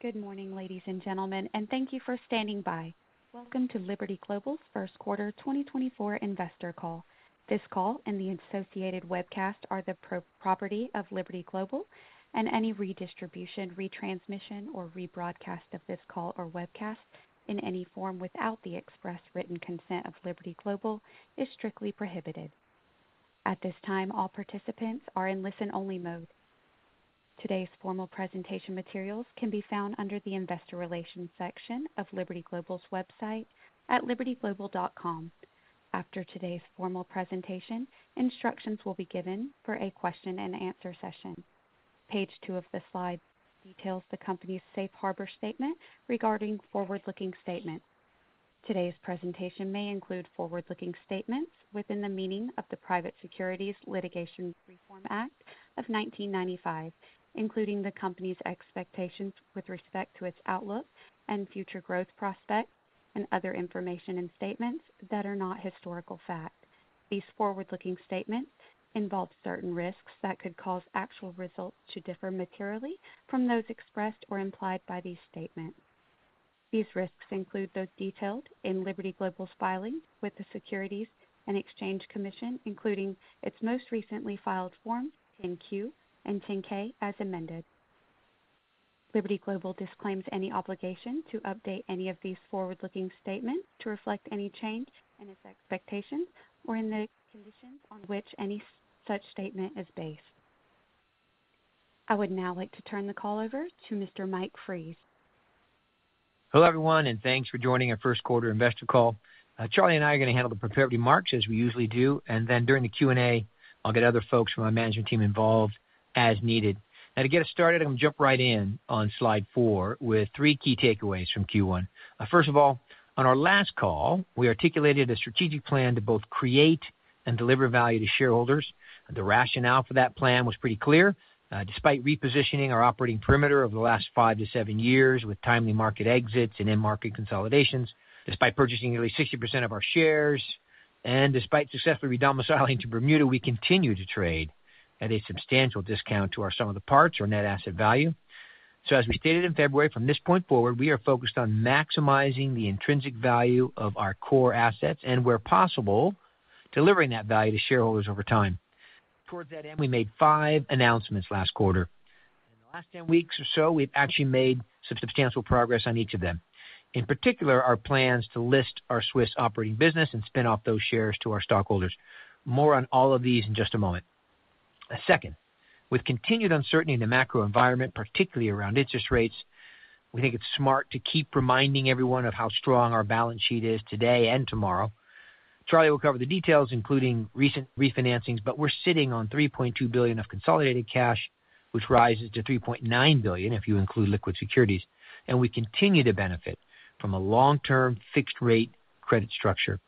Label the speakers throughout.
Speaker 1: Good morning, ladies and gentlemen, and thank you for standing by. Welcome to Liberty Global's First-Quarter 2024 Investor Call. This call and the associated webcast are the property of Liberty Global, and any redistribution, retransmission, or rebroadcast of this call or webcast in any form without the express written consent of Liberty Global is strictly prohibited. At this time, all participants are in listen-only mode. Today's formal presentation materials can be found under the Investor Relations section of Liberty Global's website at libertyglobal.com. After today's formal presentation, instructions will be given for a question-and-answer session. Page two of the slide details the company's Safe Harbor Statement regarding forward-looking statements. Today's presentation may include forward-looking statements within the meaning of the Private Securities Litigation Reform Act of 1995, including the company's expectations with respect to its outlook and future growth prospects, and other information in statements that are not historical fact. These forward-looking statements involve certain risks that could cause actual results to differ materially from those expressed or implied by these statements. These risks include those detailed in Liberty Global's filing with the Securities and Exchange Commission, including its most recently filed forms, 10-Q and 10-K, as amended. Liberty Global disclaims any obligation to update any of these forward-looking statements to reflect any change in its expectations or in the conditions on which any such statement is based. I would now like to turn the call over to Mr. Mike Fries.
Speaker 2: Hello everyone, and thanks for joining our first-quarter investor call. Charlie and I are going to handle the prepared remarks as we usually do, and then during the Q&A I'll get other folks from our management team involved as needed. Now to get us started, I'm going to jump right in on slide four with three key takeaways from Q1. First of all, on our last call we articulated a strategic plan to both create and deliver value to shareholders. The rationale for that plan was pretty clear. Despite repositioning our operating perimeter over the last five to seven years with timely market exits and in-market consolidations, despite purchasing nearly 60% of our shares, and despite successfully redomiciling to Bermuda, we continue to trade at a substantial discount to our sum of the parts, our net asset value. So as we stated in February, from this point forward we are focused on maximizing the intrinsic value of our core assets and, where possible, delivering that value to shareholders over time. Towards that end, we made five announcements last quarter. In the last 10 weeks or so, we've actually made some substantial progress on each of them. In particular, our plans to list our Swiss operating business and spin off those shares to our stockholders. More on all of these in just a moment. Second, with continued uncertainty in the macro environment, particularly around interest rates, we think it's smart to keep reminding everyone of how strong our balance sheet is today and tomorrow. Charlie will cover the details, including recent refinancings, but we're sitting on $3.2 billion of consolidated cash, which rises to $3.9 billion if you include liquid securities, and we continue to benefit from a long-term fixed-rate credit structure.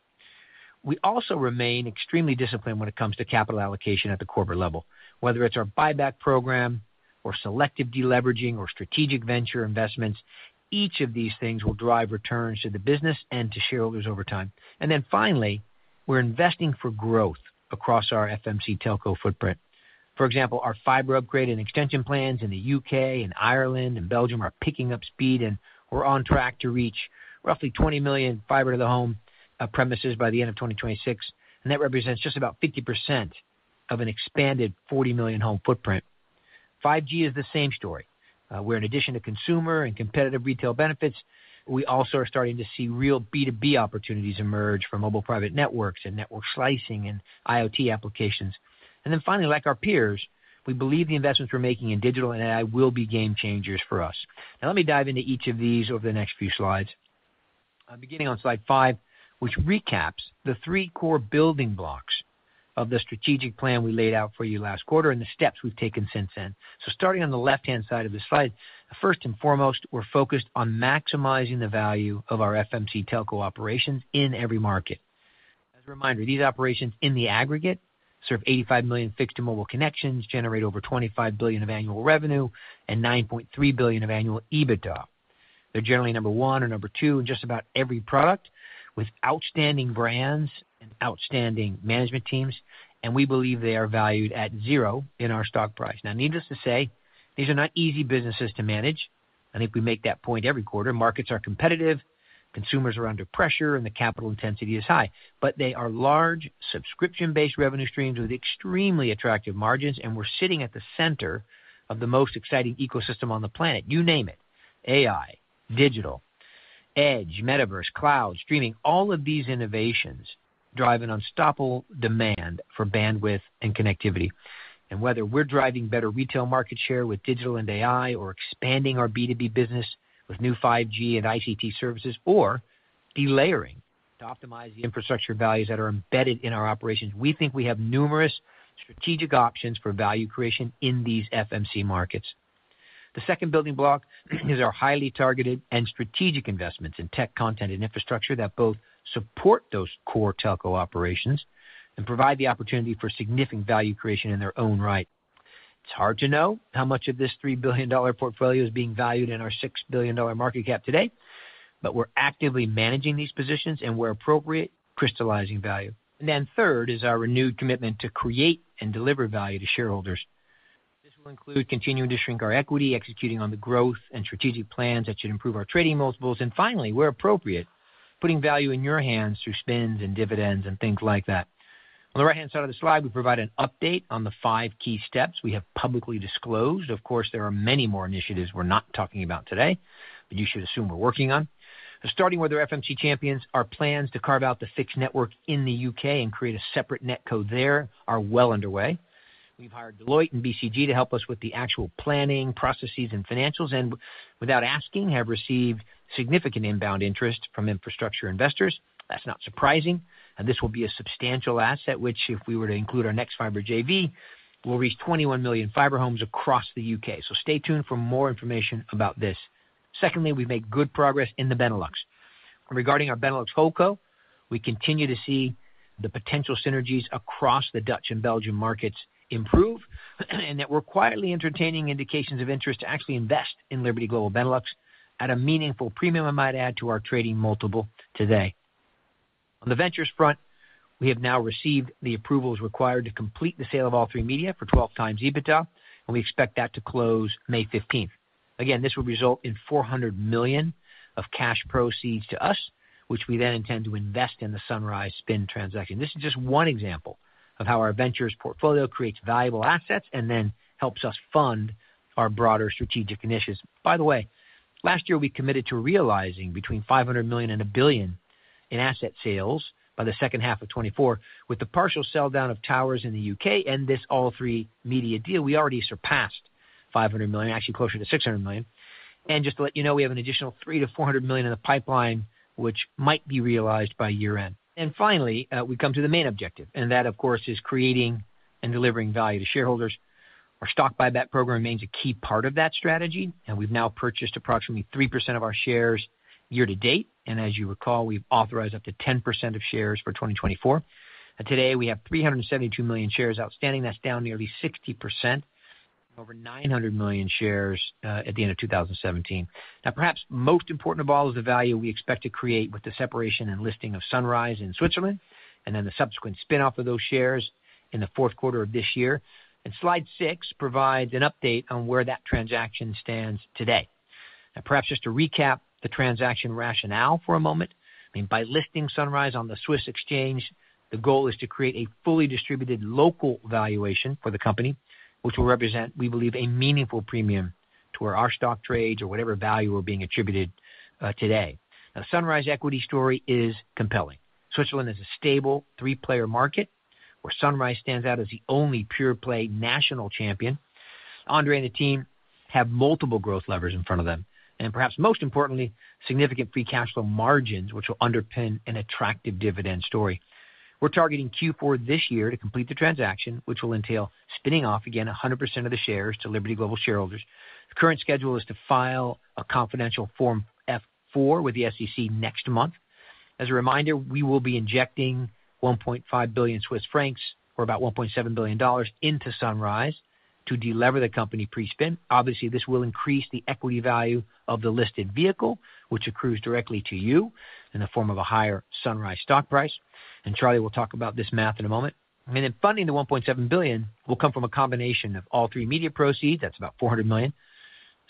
Speaker 2: We also remain extremely disciplined when it comes to capital allocation at the corporate level. Whether it's our buyback program, or selective deleveraging, or strategic venture investments, each of these things will drive returns to the business and to shareholders over time. And then finally, we're investing for growth across our FMC telco footprint. For example, our Fibre Upgrade and extension plans in the U.K., in Ireland, in Belgium are picking up speed, and we're on track to reach roughly 20 million fiber to the home premises by the end of 2026, and that represents just about 50% of an expanded 40 million home footprint. 5G is the same story. Where in addition to consumer and competitive retail benefits, we also are starting to see real B2B opportunities emerge for mobile private networks, and network slicing, and IoT applications. Then finally, like our peers, we believe the investments we're making in digital and AI will be game-changers for us. Now let me dive into each of these over the next few slides. Beginning on slide five, which recaps the three core building blocks of the strategic plan we laid out for you last quarter and the steps we've taken since then. So starting on the left-hand side of the slide, first and foremost, we're focused on maximizing the value of our FMC telco operations in every market. As a reminder, these operations in the aggregate serve 85 million fixed-to-mobile connections, generate over $25 billion of annual revenue, and $9.3 billion of annual EBITDA. They're generally number one or number two in just about every product with outstanding brands and outstanding management teams, and we believe they are valued at zero in our stock price. Now needless to say, these are not easy businesses to manage. I think we make that point every quarter. Markets are competitive, consumers are under pressure, and the capital intensity is high. But they are large subscription-based revenue streams with extremely attractive margins, and we're sitting at the center of the most exciting ecosystem on the planet. You name it: AI, digital, edge, metaverse, cloud, streaming. All of these innovations drive an unstoppable demand for bandwidth and connectivity. Whether we're driving better retail market share with digital and AI, or expanding our B2B business with new 5G and ICT services, or delayering to optimize the infrastructure values that are embedded in our operations, we think we have numerous strategic options for value creation in these FMC markets. The second building block is our highly targeted and strategic investments in tech content and infrastructure that both support those core telco operations and provide the opportunity for significant value creation in their own right. It's hard to know how much of this $3 billion portfolio is being valued in our $6 billion market cap today, but we're actively managing these positions and, where appropriate, crystallizing value. Then third is our renewed commitment to create and deliver value to shareholders. This will include continuing to shrink our equity, executing on the growth and strategic plans that should improve our trading multiples, and finally, where appropriate, putting value in your hands through spins and dividends and things like that. On the right-hand side of the slide, we provide an update on the five key steps we have publicly disclosed. Of course, there are many more initiatives we're not talking about today, but you should assume we're working on. Starting with our FMC champions, our plans to carve out the fixed network in the U.K. and create a separate NetCo there are well underway. We've hired Deloitte and BCG to help us with the actual planning, processes, and financials, and without asking, have received significant inbound interest from infrastructure investors. That's not surprising. This will be a substantial asset, which if we were to include our nexfibre JV, will reach 21 million fiber homes across the U.K.. So stay tuned for more information about this. Secondly, we've made good progress in the Benelux. Regarding our Benelux Holdco, we continue to see the potential synergies across the Dutch and Belgian markets improve, and that we're quietly entertaining indications of interest to actually invest in Liberty Global Benelux at a meaningful premium I might add to our trading multiple today. On the ventures front, we have now received the approvals required to complete the sale of All3Media for 12x EBITDA, and we expect that to close May 15th. Again, this will result in $400 million of cash proceeds to us, which we then intend to invest in the Sunrise spin transaction. This is just one example of how our ventures portfolio creates valuable assets and then helps us fund our broader strategic initiatives. By the way, last year we committed to realizing between $500 million and $1 billion in asset sales by the second half of 2024 with the partial sell-down of towers in the U.K. and this All3Media deal. We already surpassed $500 million, actually closer to $600 million. Just to let you know, we have an additional $300 million-$400 million in the pipeline, which might be realized by year-end. Finally, we come to the main objective, and that, of course, is creating and delivering value to shareholders. Our stock buyback program remains a key part of that strategy, and we've now purchased approximately 3% of our shares year to date, and as you recall, we've authorized up to 10% of shares for 2024. Today we have 372 million shares outstanding. That's down nearly 60%, over 900 million shares at the end of 2017. Now perhaps most important of all is the value we expect to create with the separation and listing of Sunrise in Switzerland and then the subsequent spin-off of those shares in the fourth quarter of this year. Slide six provides an update on where that transaction stands today. Now perhaps just to recap the transaction rationale for a moment. I mean, by listing Sunrise on the Swiss exchange, the goal is to create a fully distributed local valuation for the company, which will represent, we believe, a meaningful premium to our stock trades or whatever value we're being attributed today. Now Sunrise's equity story is compelling. Switzerland is a stable three-player market where Sunrise stands out as the only pure-play national champion. André and the team have multiple growth levers in front of them, and perhaps most importantly, significant free cash flow margins, which will underpin an attractive dividend story. We're targeting Q4 this year to complete the transaction, which will entail spinning off again 100% of the shares to Liberty Global shareholders. The current schedule is to file a confidential Form F-4 with the SEC next month. As a reminder, we will be injecting 1.5 billion Swiss francs, or about $1.7 billion, into Sunrise to delever the company pre-spin. Obviously, this will increase the equity value of the listed vehicle, which accrues directly to you in the form of a higher Sunrise stock price, and Charlie will talk about this math in a moment. And then funding the $1.7 billion will come from a combination of All3Media proceeds. That's about $400 million.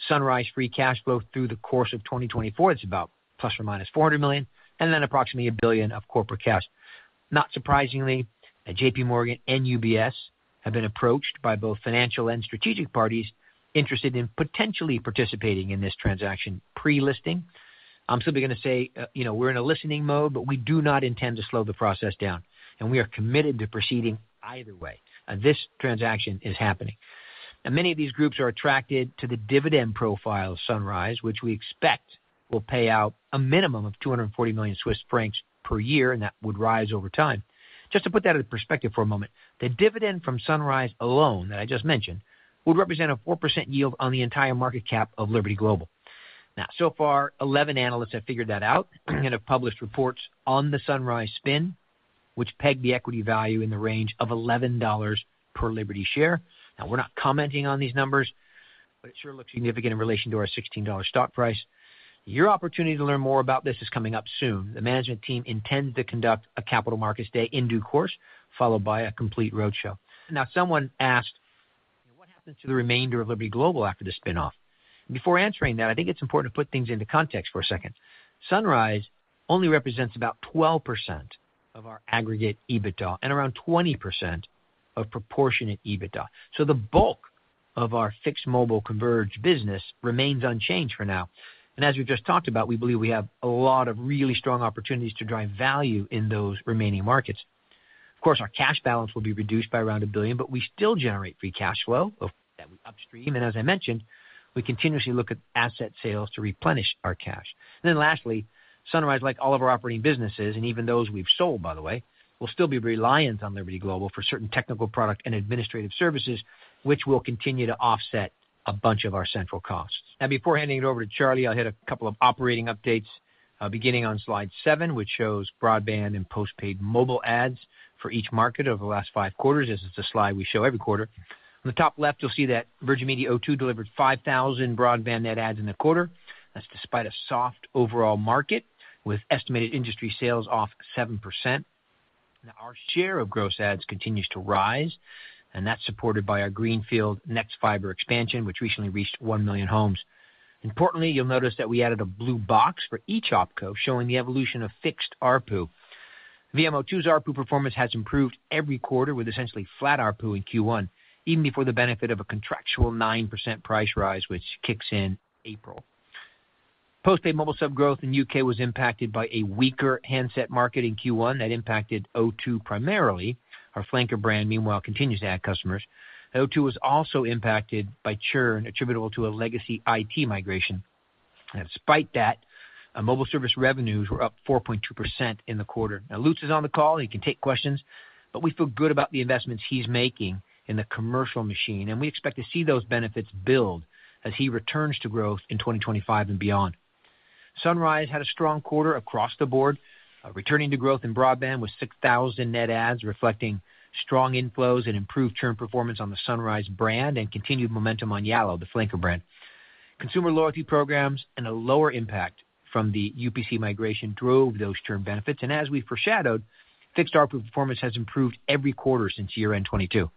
Speaker 2: Sunrise free cash flow through the course of 2024, that's about ±400 million, and then approximately $1 billion of corporate cash. Not surprisingly, JPMorgan and UBS have been approached by both financial and strategic parties interested in potentially participating in this transaction pre-listing. I'm simply going to say we're in a listening mode, but we do not intend to slow the process down, and we are committed to proceeding either way. This transaction is happening. Now many of these groups are attracted to the dividend profile of Sunrise, which we expect will pay out a minimum of 240 million Swiss francs per year, and that would rise over time. Just to put that into perspective for a moment, the dividend from Sunrise alone that I just mentioned would represent a 4% yield on the entire market cap of Liberty Global. Now so far, 11 analysts have figured that out and have published reports on the Sunrise spin, which pegged the equity value in the range of $11 per Liberty share. Now we're not commenting on these numbers, but it sure looks significant in relation to our $16 stock price. Your opportunity to learn more about this is coming up soon. The management team intends to conduct a Capital Markets Day in due course, followed by a complete roadshow. Now someone asked, "What happens to the remainder of Liberty Global after the spin-off?" Before answering that, I think it's important to put things into context for a second. Sunrise only represents about 12% of our aggregate EBITDA and around 20% of proportionate EBITDA. So the bulk of our fixed-mobile converged business remains unchanged for now, and as we've just talked about, we believe we have a lot of really strong opportunities to drive value in those remaining markets. Of course, our cash balance will be reduced by around $1 billion, but we still generate free cash flow that we upstream, and as I mentioned, we continuously look at asset sales to replenish our cash. And then lastly, Sunrise, like all of our operating businesses, and even those we've sold, by the way, will still be reliant on Liberty Global for certain technical product and administrative services, which will continue to offset a bunch of our central costs. Now before handing it over to Charlie, I'll hit a couple of operating updates. Beginning on slide seven, which shows broadband and postpaid mobile adds for each market over the last five quarters. This is the slide we show every quarter. On the top left, you'll see that Virgin Media O2 delivered 5,000 broadband net adds in the quarter. That's despite a soft overall market with estimated industry sales off 7%. Now our share of gross adds continues to rise, and that's supported by our greenfield nexfibre expansion, which recently reached 1 million homes. Importantly, you'll notice that we added a blue box for each OpCo showing the evolution of fixed ARPU. VMO2's ARPU performance has improved every quarter with essentially flat ARPU in Q1, even before the benefit of a contractual 9% price rise, which kicks in April. Postpaid mobile subgrowth in the U.K. was impacted by a weaker handset market in Q1 that impacted O2 primarily. Our flanker brand, meanwhile, continues to add customers. O2 was also impacted by churn attributable to a legacy IT migration. Despite that, mobile service revenues were up 4.2% in the quarter. Now Lutz is on the call. He can take questions, but we feel good about the investments he's making in the commercial machine, and we expect to see those benefits build as he returns to growth in 2025 and beyond. Sunrise had a strong quarter across the board. Returning to growth in broadband was 6,000 net adds, reflecting strong inflows and improved churn performance on the Sunrise brand and continued momentum on Yallo, the flanker brand. Consumer loyalty programs and a lower impact from the UPC migration drove those churn benefits, and as we've foreshadowed, fixed ARPU performance has improved every quarter since year-end 2022.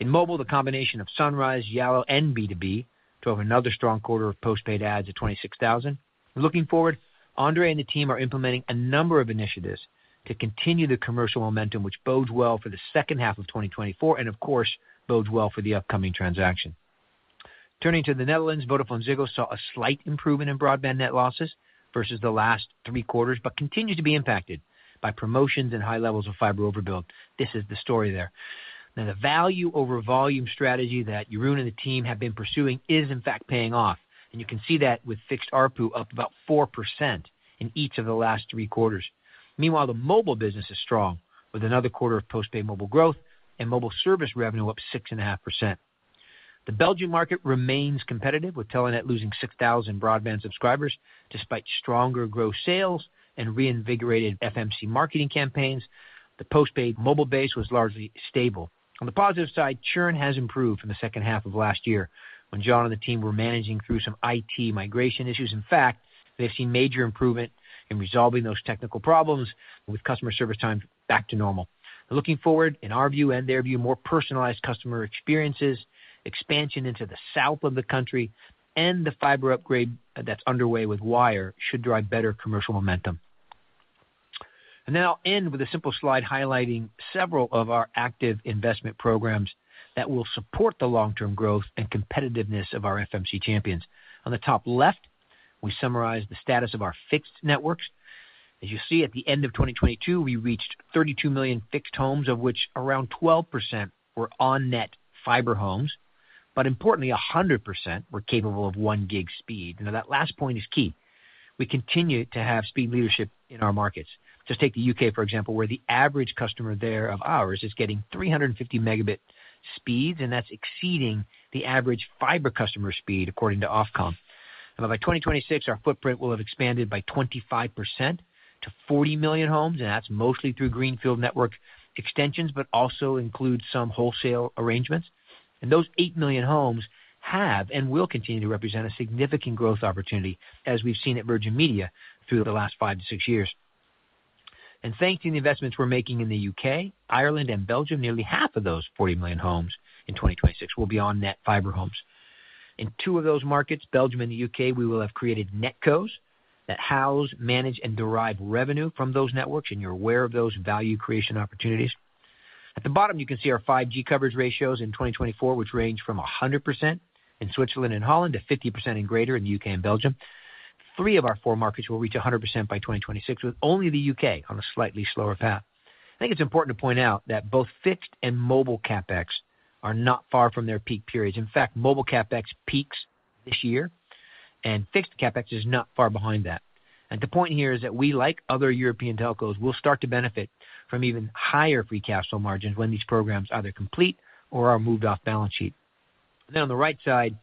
Speaker 2: In mobile, the combination of Sunrise, Yallo, and B2B drove another strong quarter of postpaid adds at 26,000. Looking forward, André and the team are implementing a number of initiatives to continue the commercial momentum, which bodes well for the second half of 2024 and, of course, bodes well for the upcoming transaction. Turning to the Netherlands, VodafoneZiggo saw a slight improvement in broadband net losses versus the last three quarters, but continues to be impacted by promotions and high levels of fiber overbuild. This is the story there. Now the value over volume strategy that Jeroen and the team have been pursuing is, in fact, paying off, and you can see that with fixed ARPU up about 4% in each of the last three quarters. Meanwhile, the mobile business is strong with another quarter of postpaid mobile growth and mobile service revenue up 6.5%. The Belgian market remains competitive, with Telenet losing 6,000 broadband subscribers despite stronger gross sales and reinvigorated FMC marketing campaigns. The postpaid mobile base was largely stable. On the positive side, churn has improved from the second half of last year when John and the team were managing through some IT migration issues. In fact, they've seen major improvement in resolving those technical problems, with customer service times back to normal. Looking forward, in our view and their view, more personalized customer experiences, expansion into the south of the country, and the Fibre Upgrade that's underway with Wyre should drive better commercial momentum. And now I'll end with a simple slide highlighting several of our active investment programs that will support the long-term growth and competitiveness of our FMC champions. On the top left, we summarize the status of our fixed networks. As you see, at the end of 2022, we reached 32 million fixed homes, of which around 12% were on-net fiber homes, but importantly, 100% were capable of 1 gig speed. Now that last point is key. We continue to have speed leadership in our markets. Just take the U.K., for example, where the average customer there of ours is getting 350 megabit speeds, and that's exceeding the average fiber customer speed according to Ofcom. Now by 2026, our footprint will have expanded by 25% to 40 million homes, and that's mostly through greenfield network extensions, but also includes some wholesale arrangements. Those 8 million homes have and will continue to represent a significant growth opportunity, as we've seen at Virgin Media through the last five to six years. Thanks to the investments we're making in the U.K., Ireland, and Belgium, nearly half of those 40 million homes in 2026 will be on-net fiber homes. In two of those markets, Belgium and the U.K., we will have created NetCos that house, manage, and derive revenue from those networks, and you're aware of those value creation opportunities. At the bottom, you can see our 5G coverage ratios in 2024, which range from 100% in Switzerland and Holland to 50% and greater in the U.K. and Belgium. Three of our four markets will reach 100% by 2026, with only the U.K. on a slightly slower path. I think it's important to point out that both fixed and mobile CapEx are not far from their peak periods. In fact, mobile CapEx peaks this year, and fixed CapEx is not far behind that. The point here is that we, like other European telcos, will start to benefit from even higher free cash flow margins when these programs either complete or are moved off balance sheet. And then on the right side,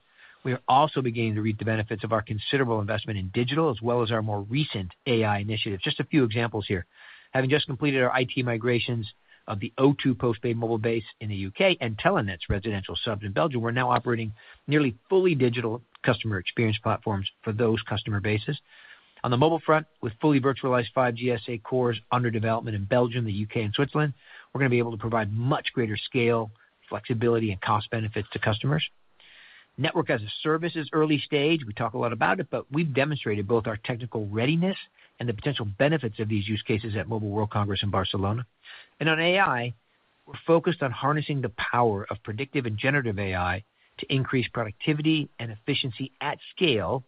Speaker 2: we are also beginning to reap the benefits of our considerable investment in digital, as well as our more recent AI initiatives. Just a few examples here. Having just completed our IT migrations of the O2 postpaid mobile base in the U.K. and Telenet's residential subs in Belgium, we're now operating nearly fully digital customer experience platforms for those customer bases. On the mobile front, with fully virtualized 5G SA cores under development in Belgium, the U.K., and Switzerland, we're going to be able to provide much greater scale, flexibility, and cost benefits to customers. Network as a Service is early stage. We talk a lot about it, but we've demonstrated both our technical readiness and the potential benefits of these use cases at Mobile World Congress in Barcelona. On AI, we're focused on harnessing the power of predictive and generative AI to increase productivity and efficiency at scale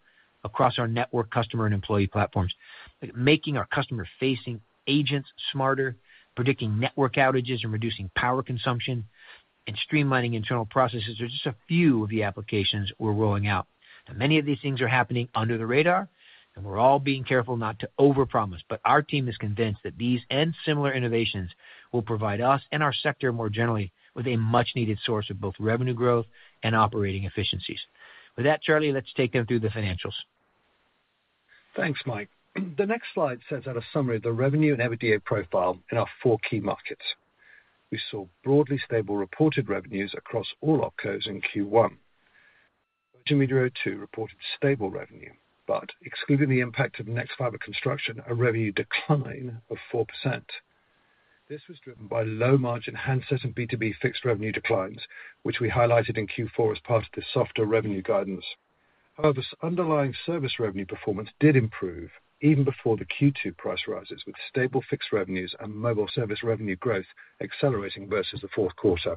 Speaker 2: across our network customer and employee platforms. Making our customer-facing agents smarter, predicting network outages and reducing power consumption, and streamlining internal processes are just a few of the applications we're rolling out. Now many of these things are happening under the radar, and we're all being careful not to overpromise, but our team is convinced that these and similar innovations will provide us and our sector more generally with a much-needed source of both revenue growth and operating efficiencies. With that, Charlie, let's take them through the financials.
Speaker 3: Thanks, Mike. The next slide sets out a summary of the revenue and EBITDA profile in our four key markets. We saw broadly stable reported revenues across all OpCos in Q1. Virgin Media O2 reported stable revenue, but excluding the impact of nexfibre construction, a revenue decline of 4%. This was driven by low-margin handset and B2B fixed revenue declines, which we highlighted in Q4 as part of the softer revenue guidance. However, underlying service revenue performance did improve even before the Q2 price rises, with stable fixed revenues and mobile service revenue growth accelerating versus the fourth quarter.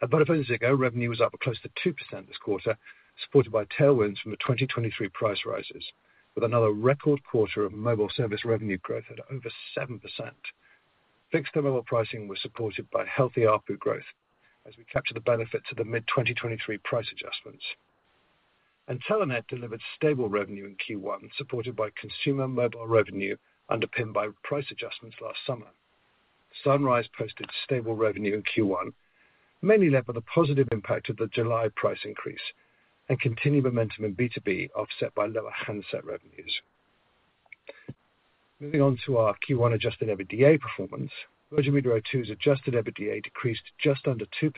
Speaker 3: At VodafoneZiggo, revenue was up close to 2% this quarter, supported by tailwinds from the 2023 price rises, with another record quarter of mobile service revenue growth at over 7%. Fixed-to-mobile pricing was supported by healthy ARPU growth as we captured the benefits of the mid-2023 price adjustments. Telenet delivered stable revenue in Q1, supported by consumer mobile revenue underpinned by price adjustments last summer. Sunrise posted stable revenue in Q1, mainly led by the positive impact of the July price increase and continued momentum in B2B offset by lower handset revenues. Moving on to our Q1 adjusted EBITDA performance, Virgin Media O2's adjusted EBITDA decreased just under 2%,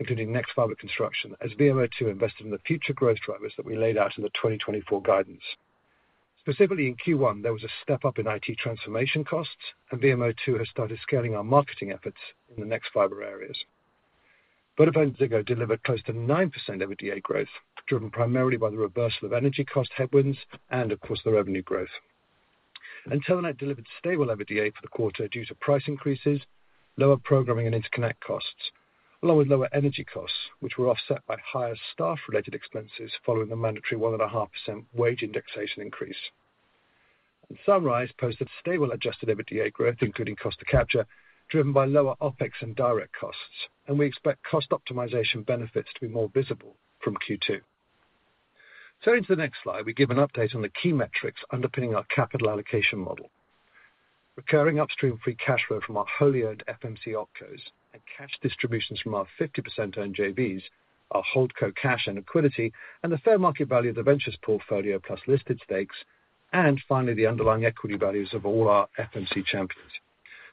Speaker 3: including nexfibre construction, as VMO2 invested in the future growth drivers that we laid out in the 2024 guidance. Specifically in Q1, there was a step-up in IT transformation costs, and VMO2 has started scaling our marketing efforts in the nexfibre areas. VodafoneZiggo delivered close to 9% EBITDA growth, driven primarily by the reversal of energy cost headwinds and, of course, the revenue growth. And Telenet delivered stable EBITDA for the quarter due to price increases, lower programming and interconnect costs, along with lower energy costs, which were offset by higher staff-related expenses following the mandatory 1.5% wage indexation increase. And Sunrise posted stable adjusted EBITDA growth, including cost of capture, driven by lower OPEX and direct costs, and we expect cost optimization benefits to be more visible from Q2. Turning to the next slide, we give an update on the key metrics underpinning our capital allocation model. Recurring upstream free cash flow from our wholly-owned FMC OpCos and cash distributions from our 50%-owned JVs, our holdco cash and equity, and the fair market value of the ventures portfolio plus listed stakes, and finally, the underlying equity values of all our FMC champions.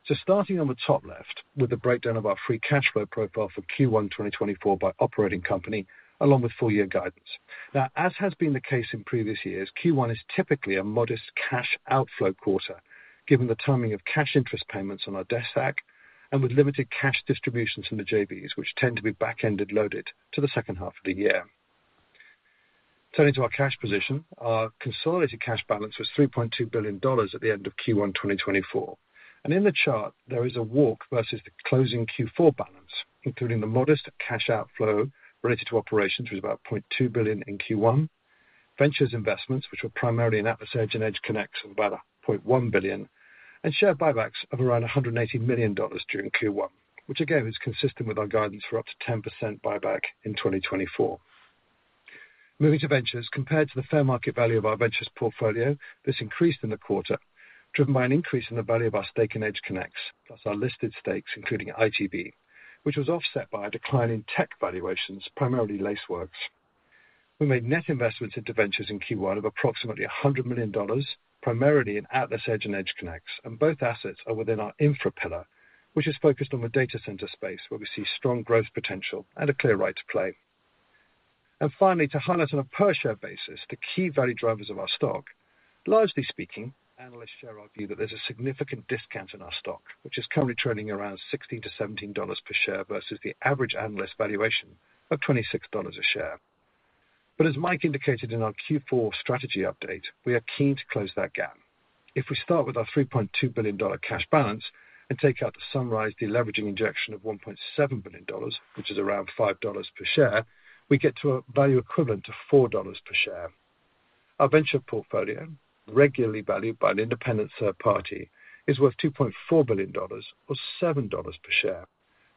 Speaker 3: So starting on the top left with the breakdown of our free cash flow profile for Q1 2024 by operating company, along with full-year guidance. Now, as has been the case in previous years, Q1 is typically a modest cash outflow quarter, given the timing of cash interest payments on our debt stack and with limited cash distributions from the JVs, which tend to be back-end loaded to the second half of the year. Turning to our cash position, our consolidated cash balance was $3.2 billion at the end of Q1 2024. In the chart, there is a walk versus the closing Q4 balance, including the modest cash outflow related to operations, which was about $0.2 billion in Q1, ventures investments, which were primarily in AtlasEdge and EdgeConneX, of about $0.1 billion, and share buybacks of around $180 million during Q1, which again is consistent with our guidance for up to 10% buyback in 2024. Moving to ventures, compared to the fair market value of our ventures portfolio, this increased in the quarter, driven by an increase in the value of our stake in EdgeConneX plus our listed stakes, including ITV, which was offset by a decline in tech valuations, primarily Lacework. We made net investments into ventures in Q1 of approximately $100 million, primarily in AtlasEdge and EdgeConneX, and both assets are within our infra pillar, which is focused on the data center space, where we see strong growth potential and a clear right to play. Finally, to highlight on a per-share basis the key value drivers of our stock, largely speaking, analysts share our view that there's a significant discount in our stock, which is currently trading around $16-$17 per share versus the average analyst valuation of $26 a share. But as Mike indicated in our Q4 strategy update, we are keen to close that gap. If we start with our $3.2 billion cash balance and take out the Sunrise deleveraging injection of $1.7 billion, which is around $5 per share, we get to a value equivalent to $4 per share. Our venture portfolio, regularly valued by an independent third party, is worth $2.4 billion or $7 per share,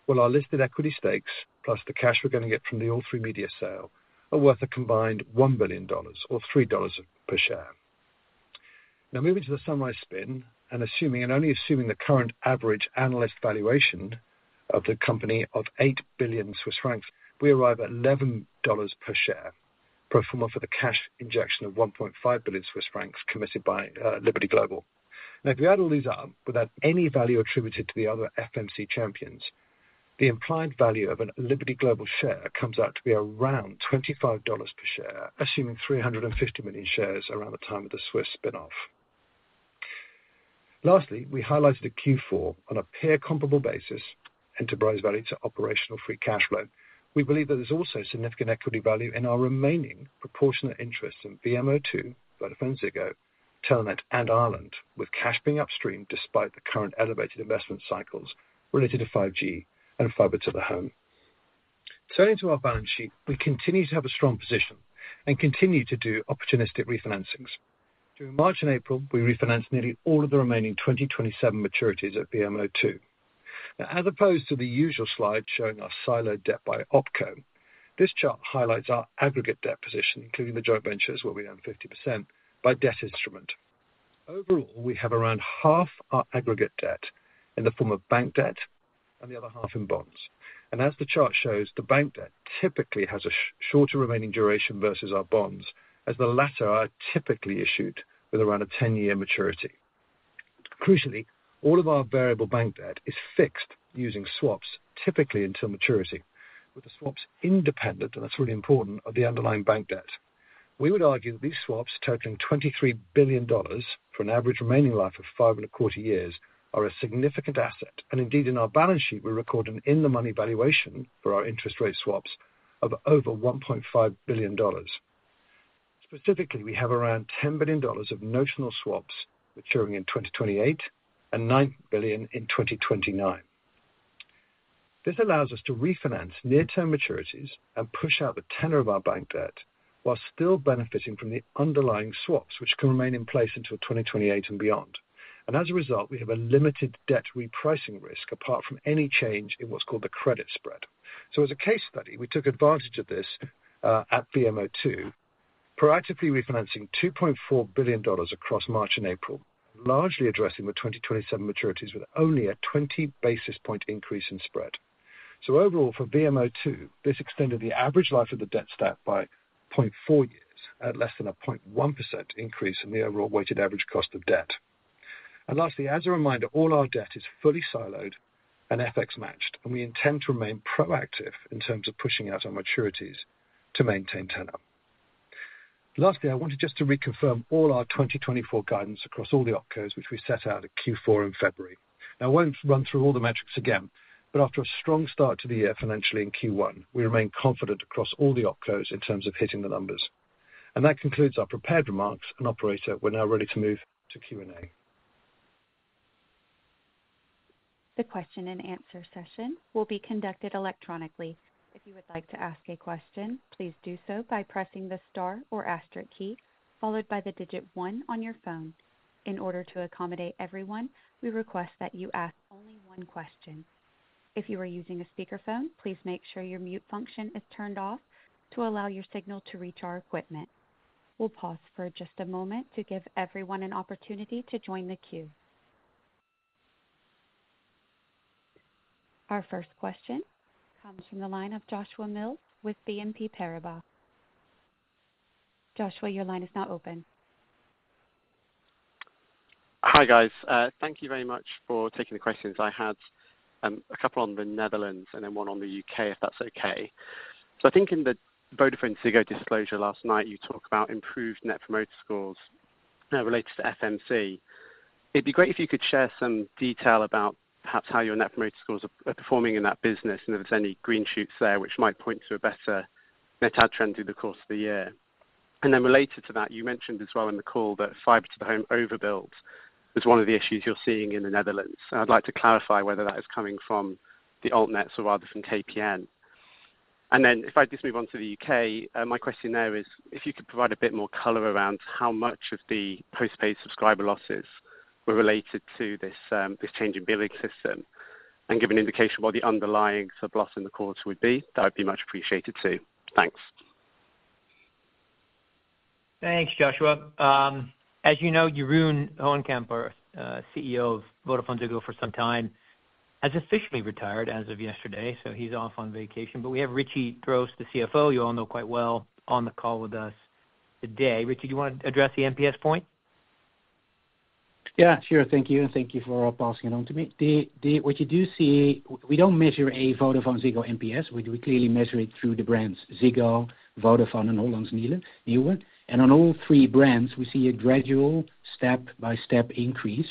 Speaker 3: while our listed equity stakes plus the cash we're going to get from the All3Media sale are worth a combined $1 billion or $3 per share. Now, moving to the Sunrise spin and assuming and only assuming the current average analyst valuation of the company of 8 billion Swiss francs, we arrive at $11 per share, pro forma for the cash injection of 1.5 billion Swiss francs committed by Liberty Global. Now, if we add all these up without any value attributed to the other FMC champions, the implied value of a Liberty Global share comes out to be around $25 per share, assuming 350 million shares around the time of the Swiss spin-off. Lastly, we highlighted at Q4 on a peer-comparable basis, enterprise value to operational free cash flow. We believe that there's also significant equity value in our remaining proportionate interests in VMO2, VodafoneZiggo, Telenet, and Ireland, with cash being upstream despite the current elevated investment cycles related to 5G and fiber to the home. Turning to our balance sheet, we continue to have a strong position and continue to do opportunistic refinancings. During March and April, we refinanced nearly all of the remaining 2027 maturities at VMO2. Now, as opposed to the usual slide showing our siloed debt by OpCo, this chart highlights our aggregate debt position, including the joint ventures, where we own 50%, by debt instrument. Overall, we have around half our aggregate debt in the form of bank debt and the other half in bonds. And as the chart shows, the bank debt typically has a shorter remaining duration versus our bonds, as the latter are typically issued with around a 10-year maturity. Crucially, all of our variable bank debt is fixed using swaps, typically until maturity, with the swaps independent, and that's really important, of the underlying bank debt. We would argue that these swaps, totaling $23 billion for an average remaining life of 5.25 years, are a significant asset, and indeed, in our balance sheet, we're recording in-the-money valuation for our interest rate swaps of over $1.5 billion. Specifically, we have around $10 billion of notional swaps maturing in 2028 and $9 billion in 2029. This allows us to refinance near-term maturities and push out the tenor of our bank debt while still benefiting from the underlying swaps, which can remain in place until 2028 and beyond. And as a result, we have a limited debt repricing risk apart from any change in what's called the credit spread. So as a case study, we took advantage of this at VMO2, proactively refinancing $2.4 billion across March and April, largely addressing the 2027 maturities with only a 20 basis point increase in spread. So overall, for VMO2, this extended the average life of the debt stack by 0.4 years, at less than a 0.1% increase in the overall weighted average cost of debt. And lastly, as a reminder, all our debt is fully siloed and FX matched, and we intend to remain proactive in terms of pushing out our maturities to maintain tenor. Lastly, I wanted just to reconfirm all our 2024 guidance across all the OpCos, which we set out at Q4 in February. Now, I won't run through all the metrics again, but after a strong start to the year financially in Q1, we remain confident across all the OpCos in terms of hitting the numbers. That concludes our prepared remarks. Operator, we're now ready to move to Q&A.
Speaker 1: The question-and-answer session will be conducted electronically. If you would like to ask a question, please do so by pressing the star or asterisk key, followed by the digit one on your phone. In order to accommodate everyone, we request that you ask only one question. If you are using a speakerphone, please make sure your mute function is turned off to allow your signal to reach our equipment. We'll pause for just a moment to give everyone an opportunity to join the queue. Our first question comes from the line of Joshua Mills with BNP Paribas. Joshua, your line is now open.
Speaker 4: Hi guys. Thank you very much for taking the questions. I had a couple on the Netherlands and then one on the U.K., if that's okay. So I think in the VodafoneZiggo disclosure last night, you talked about improved net promoter scores related to FMC. It'd be great if you could share some detail about perhaps how your net promoter scores are performing in that business and if there's any green shoots there which might point to a better net add trend through the course of the year. And then related to that, you mentioned as well in the call that fiber to the home overbuilt was one of the issues you're seeing in the Netherlands. And I'd like to clarify whether that is coming from the Altnets or rather from KPN. And then if I just move on to the U.K., my question there is if you could provide a bit more color around how much of the postpaid subscriber losses were related to this change in billing system and give an indication what the underlying for first quarter would be, that would be much appreciated too. Thanks.
Speaker 2: Thanks, Joshua. As you know, Jeroen Hoencamp, CEO of VodafoneZiggo for some time, has officially retired as of yesterday, so he's off on vacation. But we have Ritchy Drost, the CFO, you all know quite well, on the call with us today. Ritchy, do you want to address the NPS point?
Speaker 5: Yeah, sure. Thank you. Thank you for passing it on to me. What you do see, we don't measure a VodafoneZiggo NPS. We clearly measure it through the brands Ziggo, Vodafone, and hollandsnieuwe. And on all three brands, we see a gradual step-by-step increase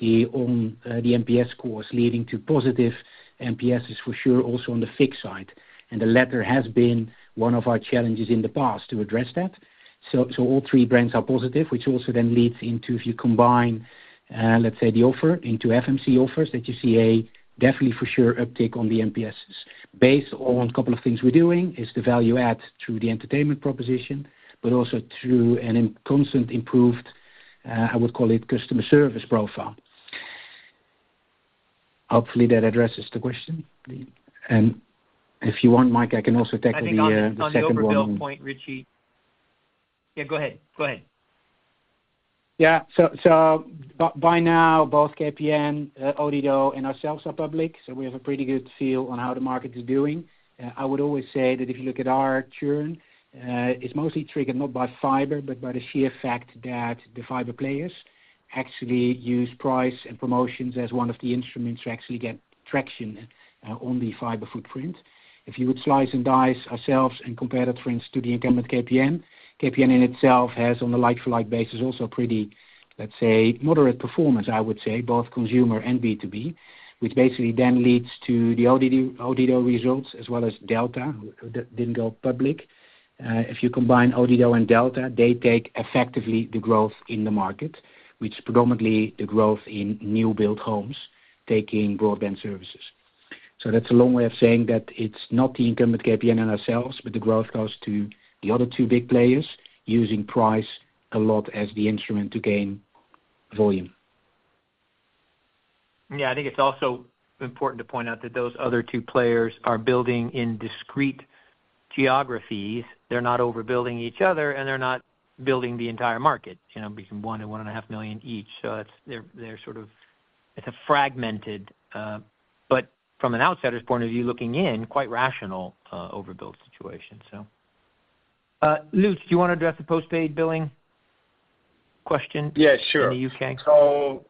Speaker 5: in the NPS scores leading to positive NPSs, for sure, also on the fixed side. And the latter has been one of our challenges in the past to address that. So all three brands are positive, which also then leads into, if you combine, let's say, the offer into FMC offers, that you see a definitely, for sure, uptick on the NPSs. Based on a couple of things we're doing is the value add through the entertainment proposition, but also through a constant improved, I would call it, customer service profile. Hopefully, that addresses the question. If you want, Mike, I can also tackle the second one.
Speaker 2: And the overbuild point, Ritchy. Yeah, go ahead. Go ahead.
Speaker 5: Yeah. So by now, both KPN, Odido, and ourselves are public, so we have a pretty good feel on how the market is doing. I would always say that if you look at our churn, it's mostly triggered not by fiber but by the sheer fact that the fiber players actually use price and promotions as one of the instruments to actually get traction on the fiber footprint. If you would slice and dice ourselves and compare that, for instance, to the incumbent KPN, KPN in itself has, on a like-for-like basis, also pretty, let's say, moderate performance, I would say, both consumer and B2B, which basically then leads to the Odido results as well as Delta, who didn't go public. If you combine Odido and Delta, they take effectively the growth in the market, which is predominantly the growth in new-built homes taking broadband services. So that's a long way of saying that it's not the incumbent KPN and ourselves, but the growth goes to the other two big players using price a lot as the instrument to gain volume.
Speaker 2: Yeah. I think it's also important to point out that those other two players are building in discrete geographies. They're not overbuilding each other, and they're not building the entire market, between 1 million and 1.5 million each. So it's a fragmented, but from an outsider's point of view, looking in, quite rational overbuild situation, so. Lutz, do you want to address the postpaid billing question in the U.K.?
Speaker 6: Yeah, sure.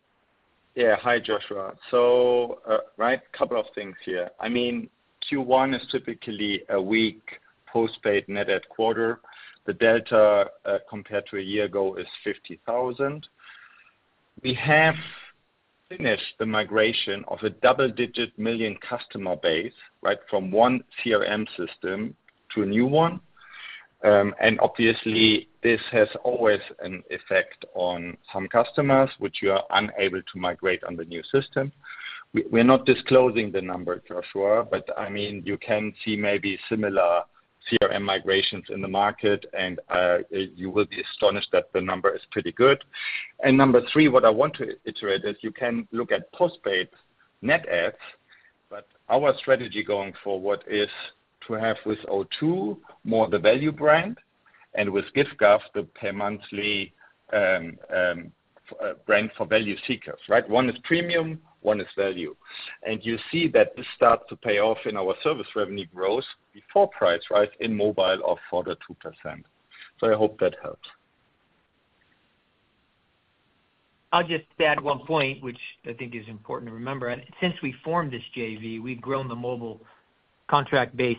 Speaker 6: Yeah. Hi, Joshua. So right, a couple of things here. I mean, Q1 is typically a weak postpaid net add quarter. The delta, compared to a year ago, is 50,000. We have finished the migration of a double-digit million customer base, right, from one CRM system to a new one. And obviously, this has always an effect on some customers, which you are unable to migrate on the new system. We're not disclosing the number, Joshua, but I mean, you can see maybe similar CRM migrations in the market, and you will be astonished that the number is pretty good. And number three, what I want to iterate is you can look at postpaid net adds, but our strategy going forward is to have with O2 more the value brand and with giffgaff the pay-monthly brand for value seekers, right? One is premium, one is value. You see that this starts to pay off in our service revenue growth before price rises in mobile of further 2%. I hope that helps.
Speaker 2: I'll just add one point, which I think is important to remember. Since we formed this JV, we've grown the mobile contract base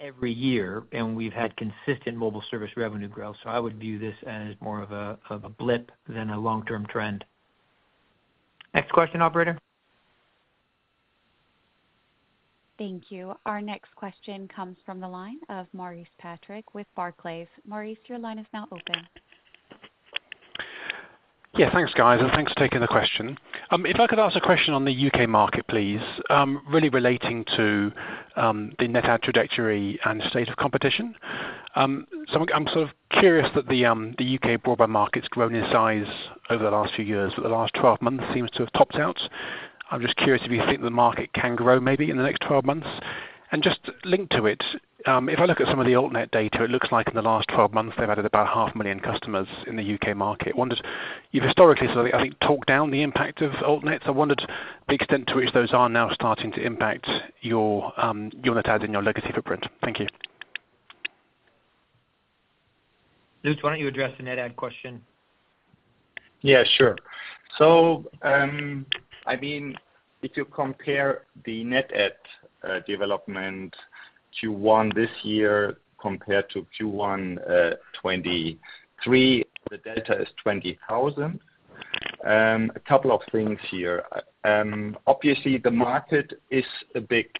Speaker 2: every year, and we've had consistent mobile service revenue growth. I would view this as more of a blip than a long-term trend. Next question, operator.
Speaker 1: Thank you. Our next question comes from the line of Maurice Patrick with Barclays. Maurice, your line is now open.
Speaker 7: Yeah. Thanks, guys. And thanks for taking the question. If I could ask a question on the U.K. market, please, really relating to the net add trajectory and state of competition. So I'm sort of curious that the U.K. broadband market's grown in size over the last few years, but the last 12 months seems to have topped out. I'm just curious if you think the market can grow maybe in the next 12 months. And just linked to it, if I look at some of the Altnets data, it looks like in the last 12 months, they've added about 500,000 customers in the U.K. market. You've historically, I think, talked down the impact of Altnets. I wondered the extent to which those are now starting to impact your net adds and your legacy footprint. Thank you.
Speaker 2: Lutz, why don't you address the net ad question?
Speaker 6: Yeah, sure. So I mean, if you compare the net ad development Q1 this year compared to Q1 2023, the delta is 20,000. A couple of things here. Obviously, the market is a bit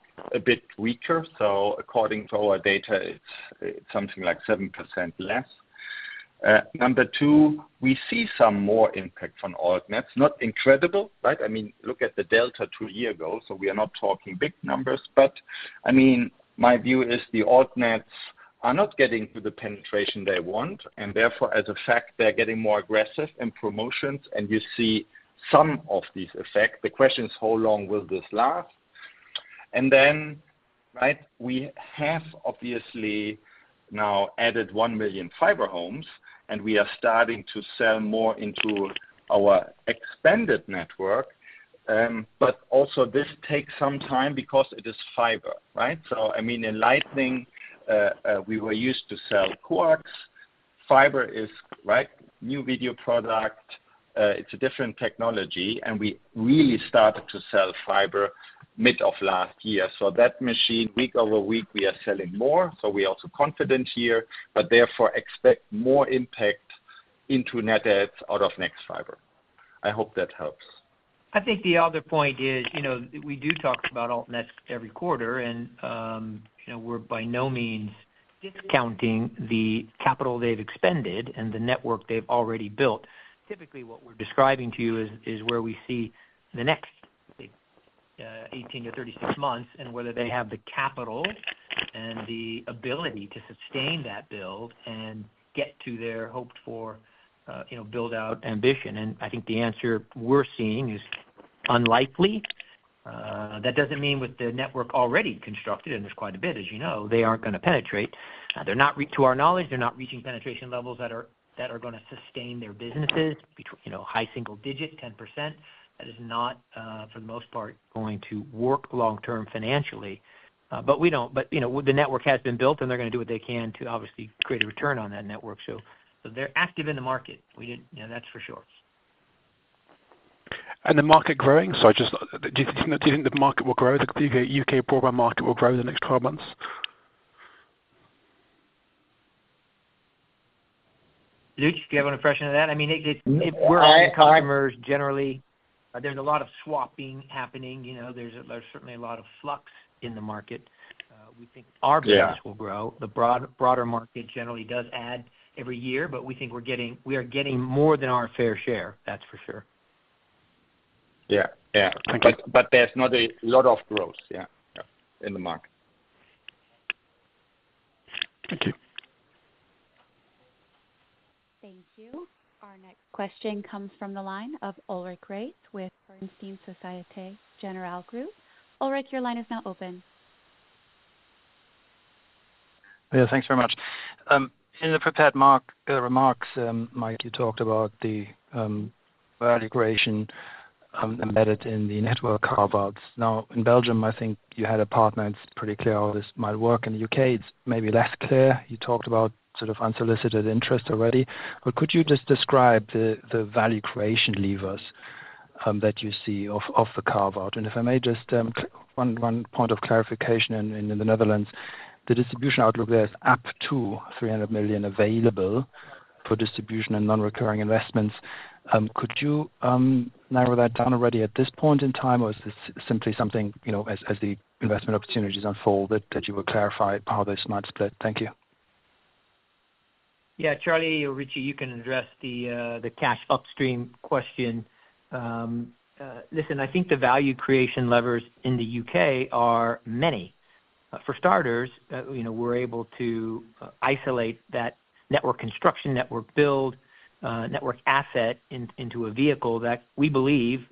Speaker 6: weaker. So according to our data, it's something like 7% less. Number two, we see some more impact from Altnets. Not incredible, right? I mean, look at the delta two years ago. So we are not talking big numbers. But I mean, my view is the Altnets are not getting to the penetration they want. And therefore, as a fact, they're getting more aggressive in promotions, and you see some of these effects. The question is, how long will this last? And then, right, we have, obviously, now added 1 million fiber homes, and we are starting to sell more into our expanded network. But also, this takes some time because it is fiber, right? So, I mean, in Lightning, we were used to sell coax. Fiber is, right, new video product. It's a different technology. And we really started to sell fiber mid of last year. So that machine, week-over-week, we are selling more. So we are also confident here, but therefore, expect more impact into net adds out of nexfibre. I hope that helps.
Speaker 2: I think the other point is we do talk about Altnets every quarter, and we're by no means discounting the capital they've expended and the network they've already built. Typically, what we're describing to you is where we see the next 18-36 months and whether they have the capital and the ability to sustain that build and get to their hoped-for build-out ambition. And I think the answer we're seeing is unlikely. That doesn't mean with the network already constructed, and there's quite a bit, as you know, they aren't going to penetrate. To our knowledge, they're not reaching penetration levels that are going to sustain their businesses. High single digit, 10%, that is not, for the most part, going to work long-term financially. But we don't. The network has been built, and they're going to do what they can to obviously create a return on that network. They're active in the market. That's for sure.
Speaker 7: The market growing? Do you think the market will grow? The U.K. broadband market will grow the next 12 months?
Speaker 2: Lutz, do you have an impression of that? I mean, we're open customers, generally. There's a lot of swapping happening. There's certainly a lot of flux in the market. We think our business will grow. The broader market generally does add every year, but we think we are getting more than our fair share. That's for sure.
Speaker 6: Yeah. Yeah. But there's not a lot of growth, yeah, in the market.
Speaker 7: Thank you.
Speaker 1: Thank you. Our next question comes from the line of Ulrich Rathe with Bernstein Société Générale Group. Ulrich, your line is now open.
Speaker 8: Yeah. Thanks very much. In the prepared remarks, Mike, you talked about the value creation embedded in the network carve-outs. Now, in Belgium, I think you had a partner that's pretty clear how this might work. In the U.K., it's maybe less clear. You talked about sort of unsolicited interest already. But could you just describe the value creation levers that you see of the carve-out? And if I may, just one point of clarification. And in the Netherlands, the distribution outlook there is up to $300 million available for distribution and non-recurring investments. Could you narrow that down already at this point in time, or is this simply something as the investment opportunities unfold that you will clarify how this might spread? Thank you.
Speaker 2: Yeah. Charlie or Ritchy, you can address the cash upstream question. Listen, I think the value creation levers in the U.K. are many. For starters, we're able to isolate that network construction, network build, network asset into a vehicle that we believe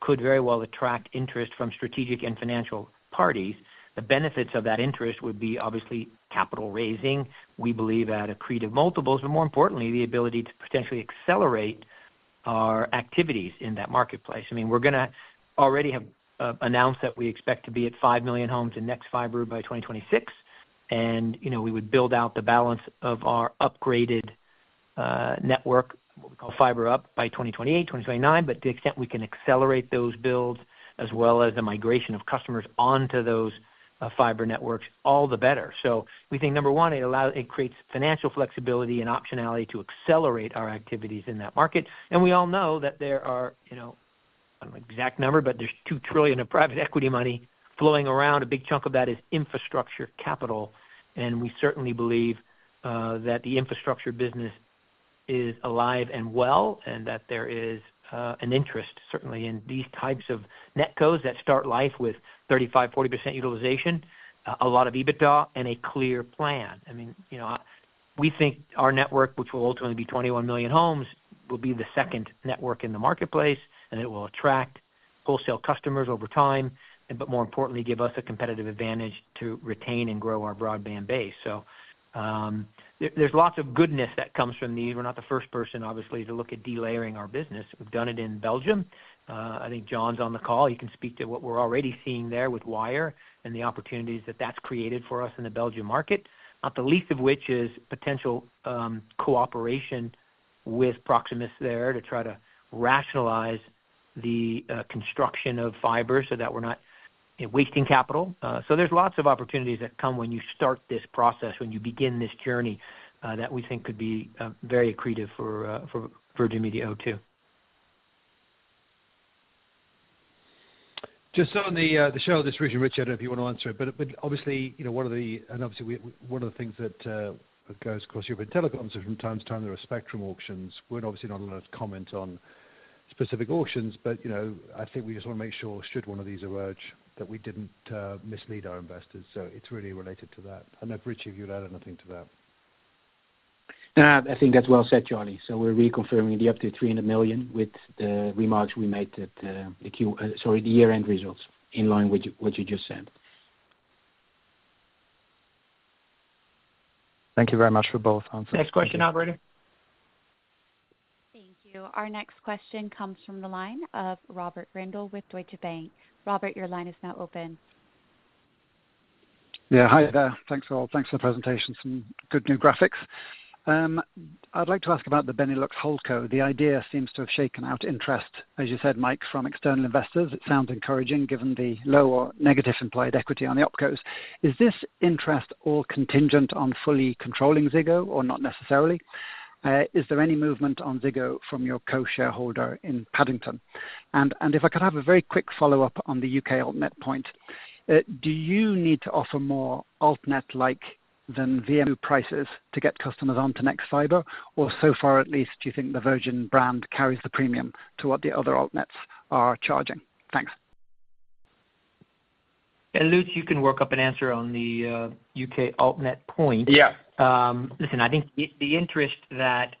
Speaker 2: could very well attract interest from strategic and financial parties. The benefits of that interest would be, obviously, capital raising. We believe at accretive multiples, but more importantly, the ability to potentially accelerate our activities in that marketplace. I mean, we're going to already have announced that we expect to be at 5 million homes in nexfibre by 2026. And we would build out the balance of our upgraded network, what we call Fibre Up, by 2028, 2029. But to the extent we can accelerate those builds as well as the migration of customers onto those fiber networks, all the better. So we think, number one, it creates financial flexibility and optionality to accelerate our activities in that market. And we all know that there are – I don't know the exact number, but there's $2 trillion of private equity money flowing around. A big chunk of that is infrastructure capital. And we certainly believe that the infrastructure business is alive and well and that there is an interest, certainly, in these types of NetCos that start life with 35%-40% utilization, a lot of EBITDA, and a clear plan. I mean, we think our network, which will ultimately be 21 million homes, will be the second network in the marketplace, and it will attract wholesale customers over time, but more importantly, give us a competitive advantage to retain and grow our broadband base. So there's lots of goodness that comes from these. We're not the first person, obviously, to look at delayering our business. We've done it in Belgium. I think John's on the call. He can speak to what we're already seeing there with Wyre and the opportunities that that's created for us in the Belgian market, not the least of which is potential cooperation with Proximus there to try to rationalize the construction of fiber so that we're not wasting capital. So there's lots of opportunities that come when you start this process, when you begin this journey that we think could be very accretive for Virgin Media O2.
Speaker 3: Just so on the show, this recent Ritchy, I don't know if you want to answer it. But obviously, one of the things that goes across European telecoms is from time to time, there are spectrum auctions. We're obviously not allowed to comment on specific auctions, but I think we just want to make sure, should one of these emerge, that we didn't mislead our investors. So it's really related to that. I don't know if Ritchy, if you'd add anything to that.
Speaker 5: I think that's well said, Charlie. So we're reconfirming the up to $300 million with the remarks we made at the year-end results in line with what you just said.
Speaker 8: Thank you very much for both answers.
Speaker 2: Next question, operator.
Speaker 1: Thank you. Our next question comes from the line of Robert Randall with Deutsche Bank. Robert, your line is now open.
Speaker 9: Yeah. Hi there. Thanks, all. Thanks for the presentation. Some good new graphics. I'd like to ask about the Benelux holdco. The idea seems to have shaken out interest, as you said, Mike, from external investors. It sounds encouraging given the low or negative implied equity on the OpCos. Is this interest all contingent on fully controlling Ziggo or not necessarily? Is there any movement on Ziggo from your co-shareholder in Paddington? And if I could have a very quick follow-up on the U.K. altnet point, do you need to offer more altnet-like than Virgin Media prices to get customers onto nexfibre, or so far at least, do you think the Virgin brand carries the premium to what the other altnets are charging? Thanks.
Speaker 2: Lutz, you can work up an answer on the U.K. altnets point. Listen, I think the interest that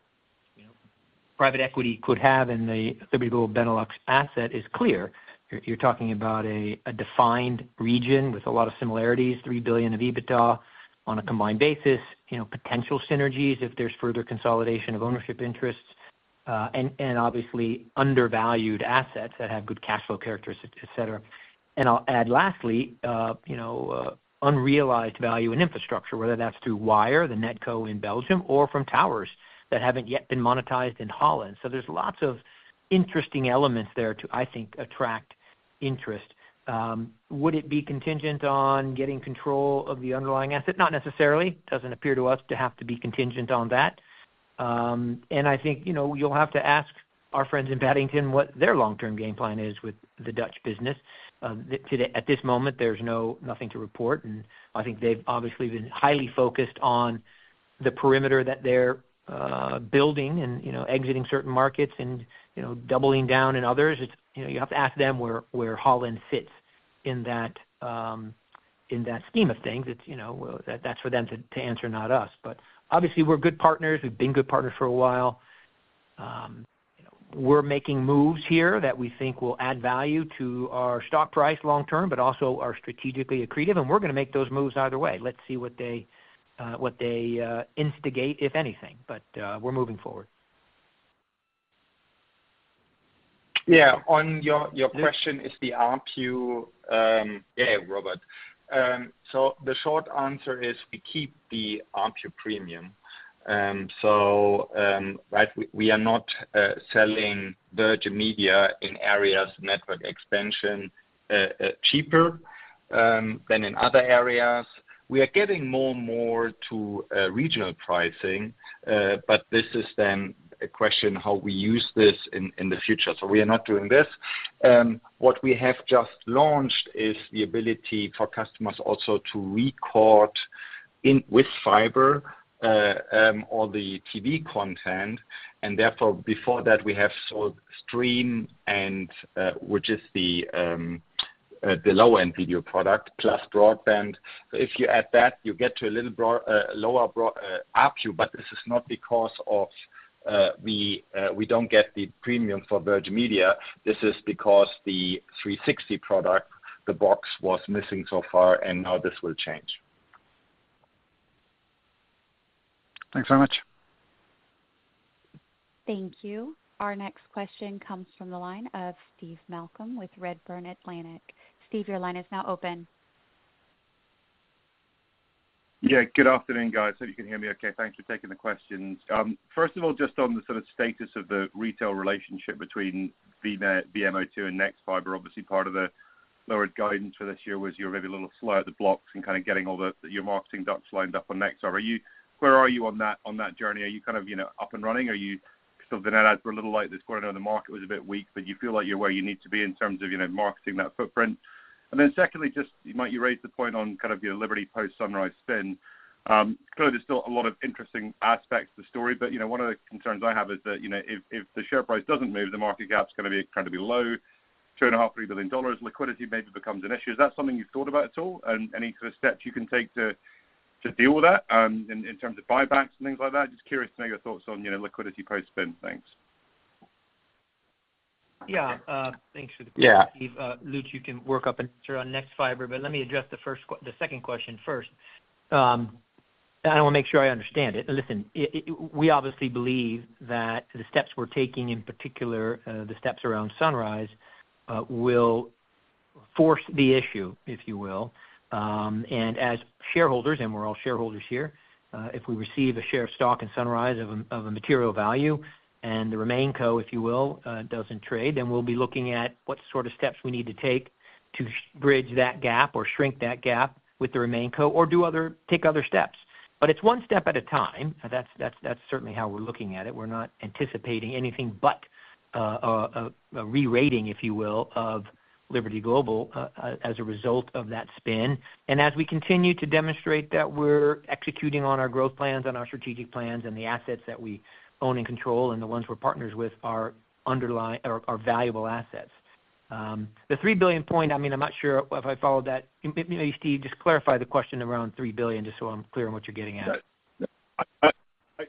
Speaker 2: private equity could have in the Liberty Global Benelux asset is clear. You're talking about a defined region with a lot of similarities, $3 billion of EBITDA on a combined basis, potential synergies if there's further consolidation of ownership interests, and obviously, undervalued assets that have good cash flow characteristics, etc. And I'll add lastly, unrealized value in infrastructure, whether that's through Wyre, the NetCo in Belgium, or from towers that haven't yet been monetized in Holland. So there's lots of interesting elements there to, I think, attract interest. Would it be contingent on getting control of the underlying asset? Not necessarily. It doesn't appear to us to have to be contingent on that. And I think you'll have to ask our friends in Paddington what their long-term game plan is with the Dutch business. At this moment, there's nothing to report. And I think they've obviously been highly focused on the perimeter that they're building and exiting certain markets and doubling down in others. You have to ask them where Holland sits in that scheme of things. That's for them to answer, not us. But obviously, we're good partners. We've been good partners for a while. We're making moves here that we think will add value to our stock price long-term, but also are strategically accretive. And we're going to make those moves either way. Let's see what they instigate, if anything. But we're moving forward.
Speaker 6: Yeah. On your question, is the ARPU yeah, Robert. So the short answer is we keep the ARPU premium. So we are not selling Virgin Media in areas network expansion cheaper than in other areas. We are getting more and more to regional pricing. But this is then a question how we use this in the future. So we are not doing this. What we have just launched is the ability for customers also to record with fiber all the TV content. And therefore, before that, we have sold Stream, which is the low-end video product, plus broadband. So if you add that, you get to a little lower ARPU. But this is not because we don't get the premium for Virgin Media. This is because the 360 product, the box, was missing so far, and now this will change.
Speaker 9: Thanks very much.
Speaker 1: Thank you. Our next question comes from the line of Steve Malcolm with Redburn Atlantic. Steve, your line is now open.
Speaker 10: Yeah. Good afternoon, guys. Hope you can hear me okay. Thanks for taking the questions. First of all, just on the sort of status of the retail relationship between VMO2 and nexfibre, obviously, part of the lowered guidance for this year was you were maybe a little slow at the blocks and kind of getting all your marketing ducts lined up on nexfibre. Where are you on that journey? Are you kind of up and running? Are you sort of the net adds were a little late this quarter. I know the market was a bit weak, but you feel like you're where you need to be in terms of marketing that footprint. And then secondly, just you raised the point on kind of your Liberty post-Sunrise spin. Clearly, there's still a lot of interesting aspects to the story. But one of the concerns I have is that if the share price doesn't move, the market cap's going to be trying to be low, $2.5 billion-$3 billion. Liquidity maybe becomes an issue. Is that something you've thought about at all? And any sort of steps you can take to deal with that in terms of buybacks and things like that? Just curious to know your thoughts on liquidity post-spin. Thanks.
Speaker 2: Yeah. Thanks for the question, Steve. Lutz, you can work up an answer on nexfibre, but let me address the second question first. I want to make sure I understand it. Listen, we obviously believe that the steps we're taking, in particular, the steps around Sunrise, will force the issue, if you will. And as shareholders, and we're all shareholders here, if we receive a share of stock in Sunrise of a material value and the RemainingCo, if you will, doesn't trade, then we'll be looking at what sort of steps we need to take to bridge that gap or shrink that gap with the RemainingCo or take other steps. But it's one step at a time. That's certainly how we're looking at it. We're not anticipating anything but a rerating, if you will, of Liberty Global as a result of that spin. As we continue to demonstrate that we're executing on our growth plans, on our strategic plans, and the assets that we own and control and the ones we're partners with are valuable assets. The $3 billion point, I mean, I'm not sure if I followed that. Maybe, Steve, just clarify the question around $3 billion just so I'm clear on what you're getting at.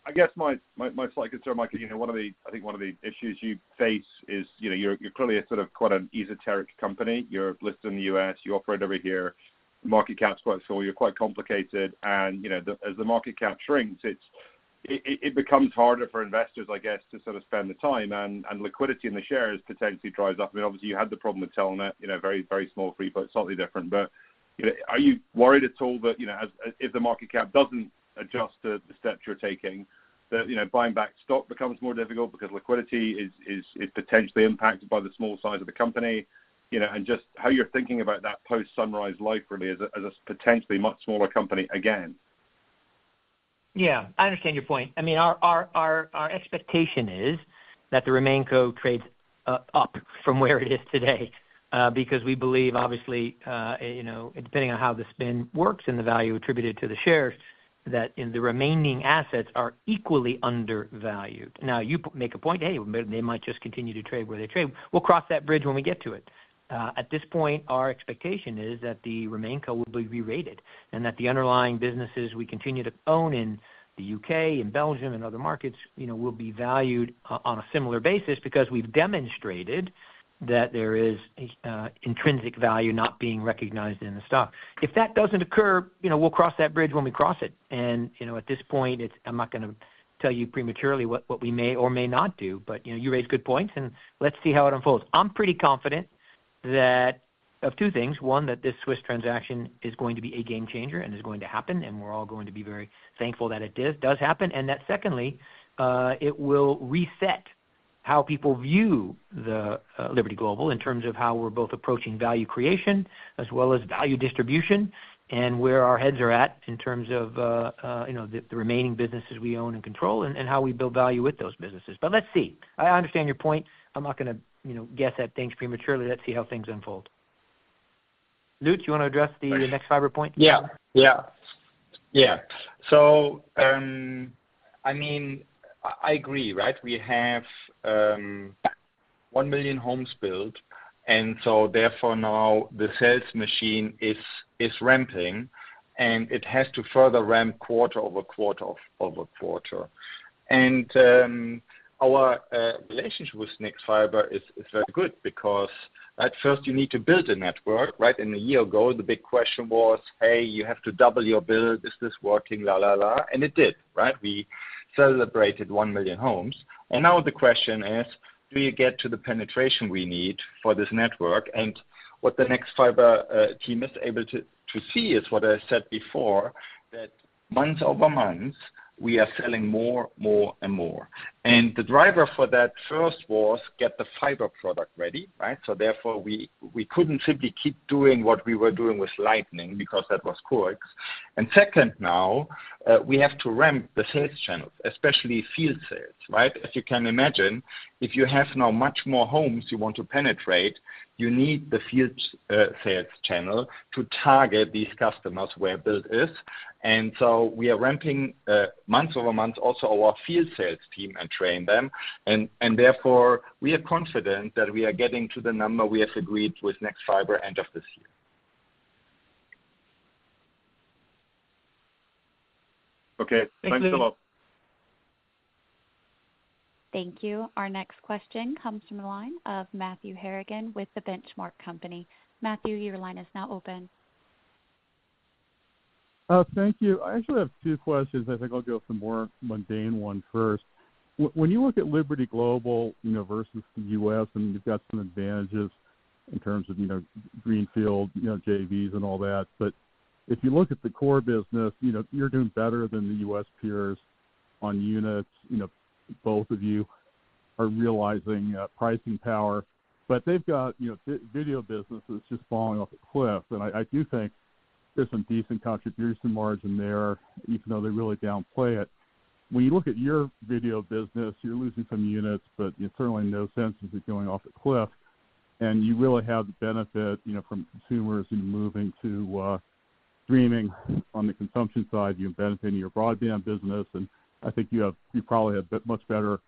Speaker 10: I guess my slight concern, Mike, I think one of the issues you face is you're clearly a sort of quite an esoteric company. You're listed in the U.S. You operate over here. The market cap's quite small. You're quite complicated. And as the market cap shrinks, it becomes harder for investors, I guess, to sort of spend the time. And liquidity in the shares potentially drives up. I mean, obviously, you had the problem with Telenet. Very, very small free float, slightly different. But are you worried at all that if the market cap doesn't adjust to the steps you're taking, that buying back stock becomes more difficult because liquidity is potentially impacted by the small size of the company? And just how you're thinking about that post-Sunrise life, really, as a potentially much smaller company again.
Speaker 2: Yeah. I understand your point. I mean, our expectation is that the RemainingCo trades up from where it is today because we believe, obviously, depending on how the spin works and the value attributed to the shares, that the remaining assets are equally undervalued. Now, you make a point, "Hey, they might just continue to trade where they trade. We'll cross that bridge when we get to it." At this point, our expectation is that the RemainingCo will be rerated and that the underlying businesses we continue to own in the U.K., in Belgium, and other markets will be valued on a similar basis because we've demonstrated that there is intrinsic value not being recognized in the stock. If that doesn't occur, we'll cross that bridge when we cross it. And at this point, I'm not going to tell you prematurely what we may or may not do. But you raised good points, and let's see how it unfolds. I'm pretty confident of two things. One, that this Swiss transaction is going to be a game-changer and is going to happen, and we're all going to be very thankful that it does happen. And that secondly, it will reset how people view Liberty Global in terms of how we're both approaching value creation as well as value distribution and where our heads are at in terms of the remaining businesses we own and control and how we build value with those businesses. But let's see. I understand your point. I'm not going to guess at things prematurely. Let's see how things unfold. Lutz, you want to address the nexfibre point?
Speaker 6: Yeah. Yeah. Yeah. So I mean, I agree, right? We have 1 million homes built. And so therefore, now, the sales machine is ramping, and it has to further ramp quarter-over-quarter. And our relationship with nexfibre is very good because, right, first, you need to build a network, right? And a year ago, the big question was, "Hey, you have to double your bill. Is this working? La, la, la." And it did, right? We celebrated 1 million homes. And now the question is, do you get to the penetration we need for this network? And what the nexfibre team is able to see is what I said before, that month-over-month, we are selling more, more, and more. And the driver for that first was get the fiber product ready, right? So therefore, we couldn't simply keep doing what we were doing with Lightning because that was coax. And second, now, we have to ramp the sales channels, especially field sales, right? As you can imagine, if you have now much more homes you want to penetrate, you need the field sales channel to target these customers where build is. And so we are ramping month-over-month also our field sales team and train them. And therefore, we are confident that we are getting to the number we have agreed with nexfibre end of this year.
Speaker 10: Okay. Thanks a lot.
Speaker 1: Thank you. Our next question comes from the line of Matthew Harrigan with the Benchmark Company. Matthew, your line is now open.
Speaker 11: Thank you. I actually have two questions. I think I'll go with the more mundane one first. When you look at Liberty Global versus the U.S., I mean, you've got some advantages in terms of greenfield, JVs, and all that. But if you look at the core business, you're doing better than the U.S. peers on units. Both of you are realizing pricing power. But they've got video businesses just falling off a cliff. And I do think there's some decent contribution margin there, even though they really downplay it. When you look at your video business, you're losing some units, but it certainly makes sense because you're going off a cliff. And you really have the benefit from consumers moving to streaming on the consumption side. You benefit in your broadband business. And I think you probably have much better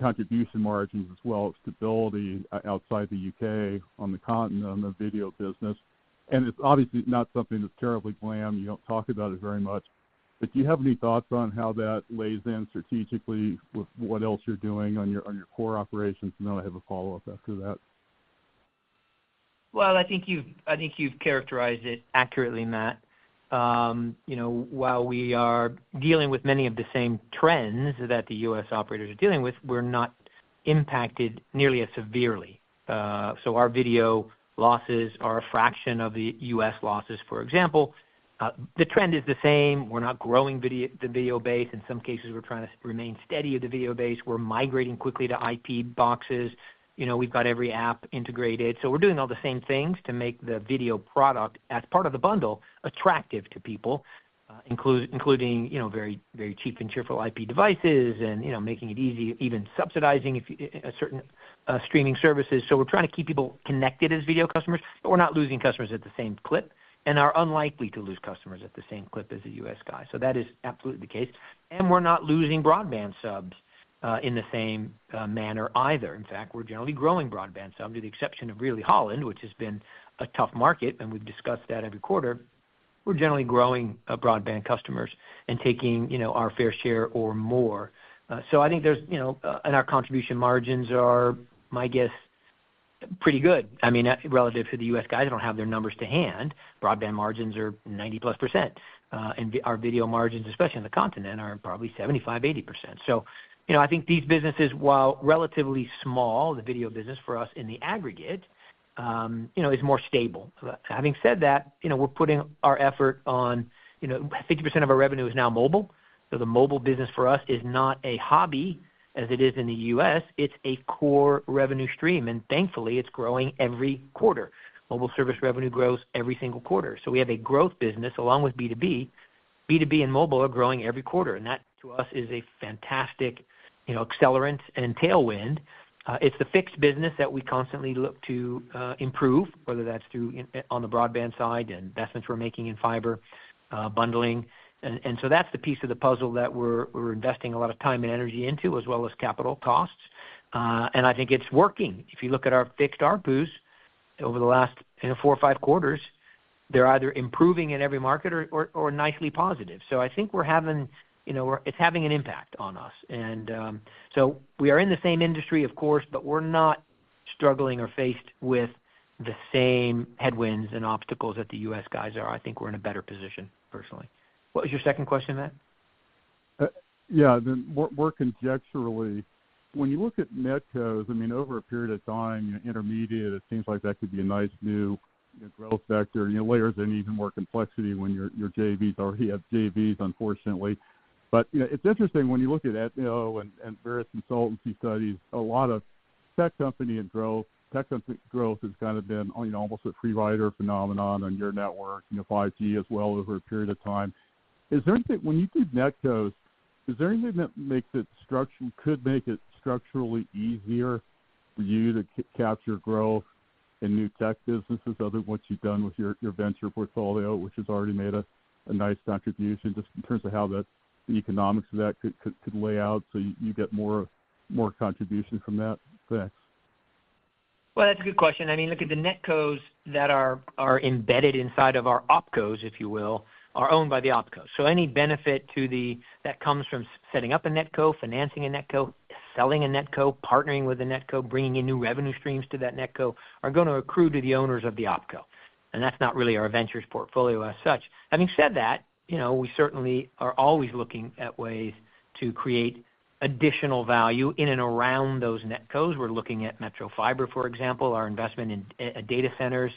Speaker 11: contribution margins as well. It's stability outside the U.K. on the continent on the video business. And it's obviously not something that's terribly glam. You don't talk about it very much. But do you have any thoughts on how that lays in strategically with what else you're doing on your core operations? And then I'll have a follow-up after that.
Speaker 2: Well, I think you've characterized it accurately, Matt. While we are dealing with many of the same trends that the U.S. operators are dealing with, we're not impacted nearly as severely. So our video losses are a fraction of the U.S. losses, for example. The trend is the same. We're not growing the video base. In some cases, we're trying to remain steady with the video base. We're migrating quickly to IP boxes. We've got every app integrated. So we're doing all the same things to make the video product as part of the bundle attractive to people, including very, very cheap and cheerful IP devices and making it easy, even subsidizing certain streaming services. So we're trying to keep people connected as video customers, but we're not losing customers at the same clip and are unlikely to lose customers at the same clip as the U.S. guys. So that is absolutely the case. And we're not losing broadband subs in the same manner either. In fact, we're generally growing broadband subs with the exception of really Holland, which has been a tough market, and we've discussed that every quarter. We're generally growing broadband customers and taking our fair share or more. So I think our contribution margins are, my guess, pretty good. I mean, relative to the U.S. guys, they don't have their numbers to hand. Broadband margins are 90%+. And our video margins, especially on the continent, are probably 75%-80%. So I think these businesses, while relatively small, the video business for us in the aggregate is more stable. Having said that, we're putting our effort on 50% of our revenue is now mobile. So the mobile business for us is not a hobby as it is in the U.S. It's a core revenue stream. Thankfully, it's growing every quarter. Mobile service revenue grows every single quarter. We have a growth business along with B2B. B2B and mobile are growing every quarter. That, to us, is a fantastic accelerant and tailwind. It's the fixed business that we constantly look to improve, whether that's on the broadband side and investments we're making in fiber bundling. That's the piece of the puzzle that we're investing a lot of time and energy into, as well as capital costs. I think it's working. If you look at our fixed ARPUs over the last four or five quarters, they're either improving in every market or nicely positive. I think it's having an impact on us. And so we are in the same industry, of course, but we're not struggling or faced with the same headwinds and obstacles that the U.S. guys are. I think we're in a better position, personally. What was your second question, Matt?
Speaker 11: Yeah. Then more conjecturally, when you look at NetCos, I mean, over a period of time, intermediate, it seems like that could be a nice new growth vector. It layers in even more complexity when your JVs already have JVs, unfortunately. But it's interesting when you look at ETNO and various consultancy studies, a lot of tech company and growth tech growth has kind of been almost a free-rider phenomenon on your network, 5G as well, over a period of time. When you do NetCos, is there anything that could make it structurally easier for you to capture growth in new tech businesses other than what you've done with your venture portfolio, which has already made a nice contribution, just in terms of how the economics of that could lay out so you get more contribution from that? Thanks.
Speaker 2: Well, that's a good question. I mean, look at the NetCos that are embedded inside of our OpCos, if you will, are owned by the OpCos. So any benefit that comes from setting up a NetCo, financing a NetCo, selling a NetCo, partnering with a NetCo, bringing in new revenue streams to that NetCo are going to accrue to the owners of the OpCo. And that's not really our ventures portfolio as such. Having said that, we certainly are always looking at ways to create additional value in and around those NetCos. We're looking at metro fiber, for example, our investment in data centers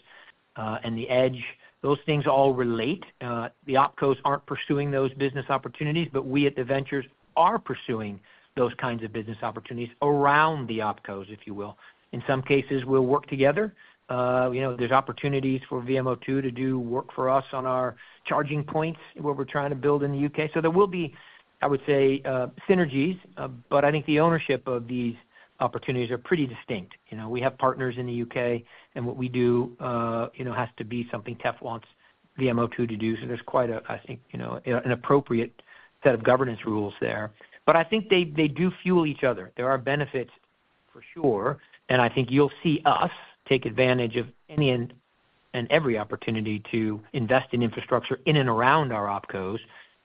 Speaker 2: and the edge. Those things all relate. The OpCos aren't pursuing those business opportunities, but we at the ventures are pursuing those kinds of business opportunities around the OpCos, if you will. In some cases, we'll work together. There's opportunities for VMO2 to do work for us on our charging points where we're trying to build in the U.K. So there will be, I would say, synergies. But I think the ownership of these opportunities are pretty distinct. We have partners in the U.K., and what we do has to be something TEF wants VMO2 to do. So there's quite a, I think, an appropriate set of governance rules there. But I think they do fuel each other. There are benefits, for sure. And I think you'll see us take advantage of any and every opportunity to invest in infrastructure in and around our OpCos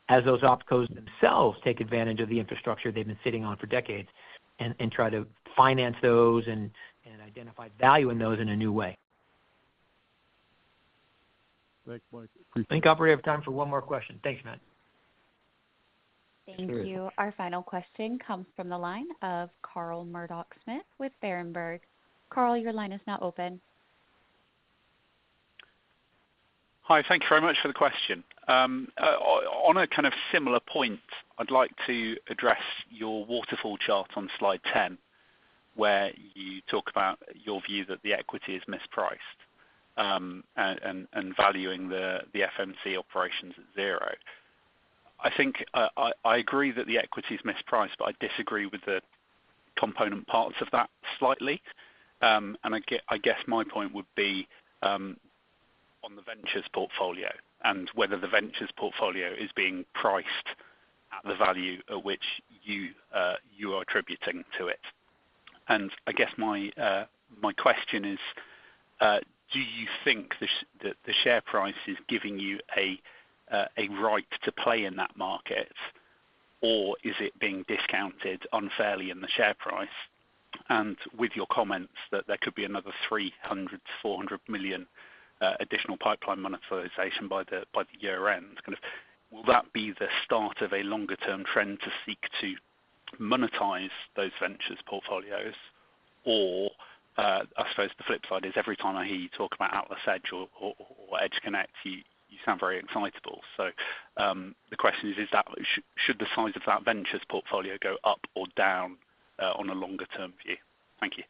Speaker 2: as those OpCos themselves take advantage of the infrastructure they've been sitting on for decades and try to finance those and identify value in those in a new way.
Speaker 11: Thanks, Mike. Appreciate it.
Speaker 2: I think I'll have time for one more question. Thanks, Matt.
Speaker 1: Thank you. Our final question comes from the line of Carl Murdock-Smith with Berenberg. Carl, your line is now open.
Speaker 12: Hi. Thank you very much for the question. On a kind of similar point, I'd like to address your waterfall chart on slide 10 where you talk about your view that the equity is mispriced and valuing the FMC operations at zero. I agree that the equity is mispriced, but I disagree with the component parts of that slightly. And I guess my point would be on the ventures portfolio and whether the ventures portfolio is being priced at the value at which you are attributing to it. And I guess my question is, do you think that the share price is giving you a right to play in that market, or is it being discounted unfairly in the share price? With your comments that there could be another $300 million-$400 million additional pipeline monetization by the year-end, kind of will that be the start of a longer-term trend to seek to monetize those ventures portfolios? Or I suppose the flip side is every time I hear you talk about AtlasEdge or EdgeConneX, you sound very excitable. So the question is, should the size of that ventures portfolio go up or down on a longer-term view? Thank you.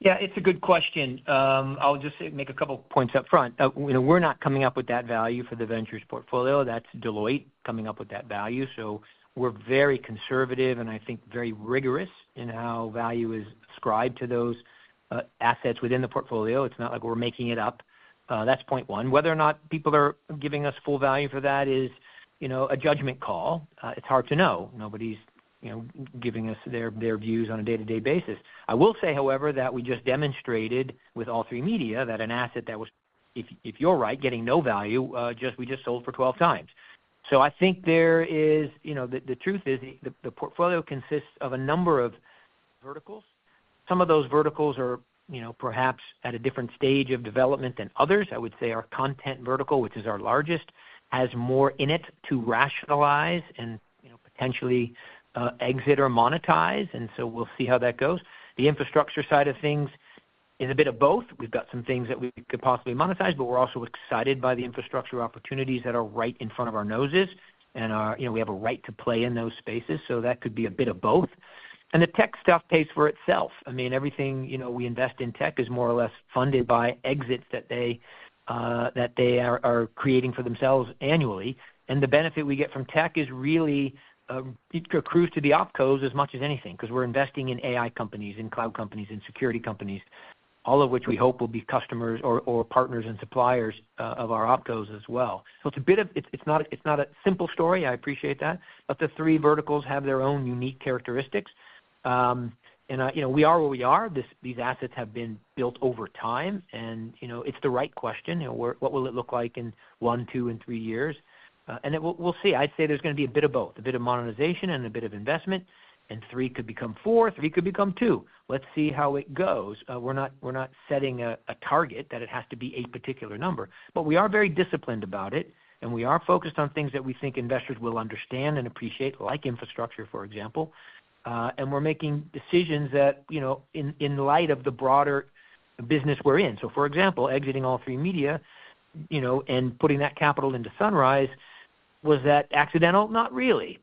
Speaker 2: Yeah. It's a good question. I'll just make a couple of points upfront. We're not coming up with that value for the ventures portfolio. That's Deloitte coming up with that value. So we're very conservative and I think very rigorous in how value is ascribed to those assets within the portfolio. It's not like we're making it up. That's point one. Whether or not people are giving us full value for that is a judgment call. It's hard to know. Nobody's giving us their views on a day-to-day basis. I will say, however, that we just demonstrated with All3Media that an asset that was, if you're right, getting no value, we just sold for 12x. So I think there is the truth is the portfolio consists of a number of verticals. Some of those verticals are perhaps at a different stage of development than others. I would say our content vertical, which is our largest, has more in it to rationalize and potentially exit or monetize. And so we'll see how that goes. The infrastructure side of things is a bit of both. We've got some things that we could possibly monetize, but we're also excited by the infrastructure opportunities that are right in front of our noses. And we have a right to play in those spaces. So that could be a bit of both. And the tech stuff pays for itself. I mean, everything we invest in tech is more or less funded by exits that they are creating for themselves annually. The benefit we get from tech is really accrues to the OpCos as much as anything because we're investing in AI companies, in cloud companies, in security companies, all of which we hope will be customers or partners and suppliers of our OpCos as well. So it's a bit of, it's not a simple story. I appreciate that. But the three verticals have their own unique characteristics. We are where we are. These assets have been built over time. It's the right question. What will it look like in one, two, and three years? We'll see. I'd say there's going to be a bit of both, a bit of monetization and a bit of investment. Three could become four. Three could become two. Let's see how it goes. We're not setting a target that it has to be a particular number. But we are very disciplined about it, and we are focused on things that we think investors will understand and appreciate, like infrastructure, for example. And we're making decisions that in light of the broader business we're in. So, for example, exiting All3Media and putting that capital into Sunrise, was that accidental? Not really,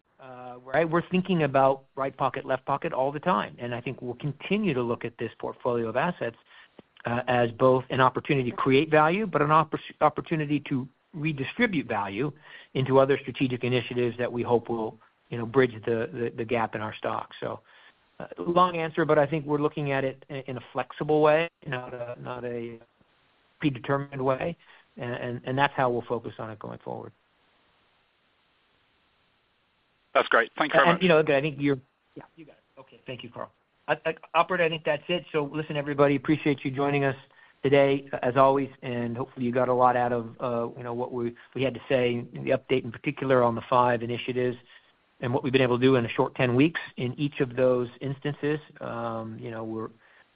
Speaker 2: right? We're thinking about right pocket, left pocket all the time. And I think we'll continue to look at this portfolio of assets as both an opportunity to create value but an opportunity to redistribute value into other strategic initiatives that we hope will bridge the gap in our stock. So long answer, but I think we're looking at it in a flexible way, not a predetermined way. And that's how we'll focus on it going forward.
Speaker 12: That's great. Thanks very much.
Speaker 2: And look, I think you're yeah, you got it. Okay. Thank you, Carl. Operator, I think that's it. So listen, everybody, appreciate you joining us today, as always. And hopefully, you got a lot out of what we had to say, the update in particular on the five initiatives and what we've been able to do in the short 10 weeks in each of those instances. I think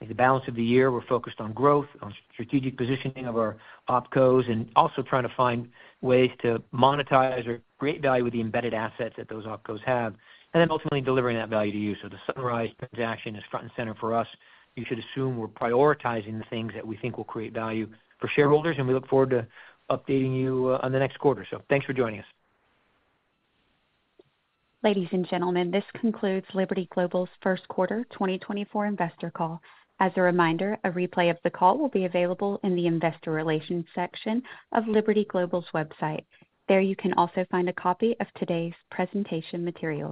Speaker 2: the balance of the year, we're focused on growth, on strategic positioning of our OpCos, and also trying to find ways to monetize or create value with the embedded assets that those OpCos have, and then ultimately delivering that value to you. So the Sunrise transaction is front and center for us. You should assume we're prioritizing the things that we think will create value for shareholders. And we look forward to updating you on the next quarter. Thanks for joining us.
Speaker 1: Ladies and gentlemen, this concludes Liberty Global's first quarter 2024 investor call. As a reminder, a replay of the call will be available in the investor relations section of Liberty Global's website. There, you can also find a copy of today's presentation materials.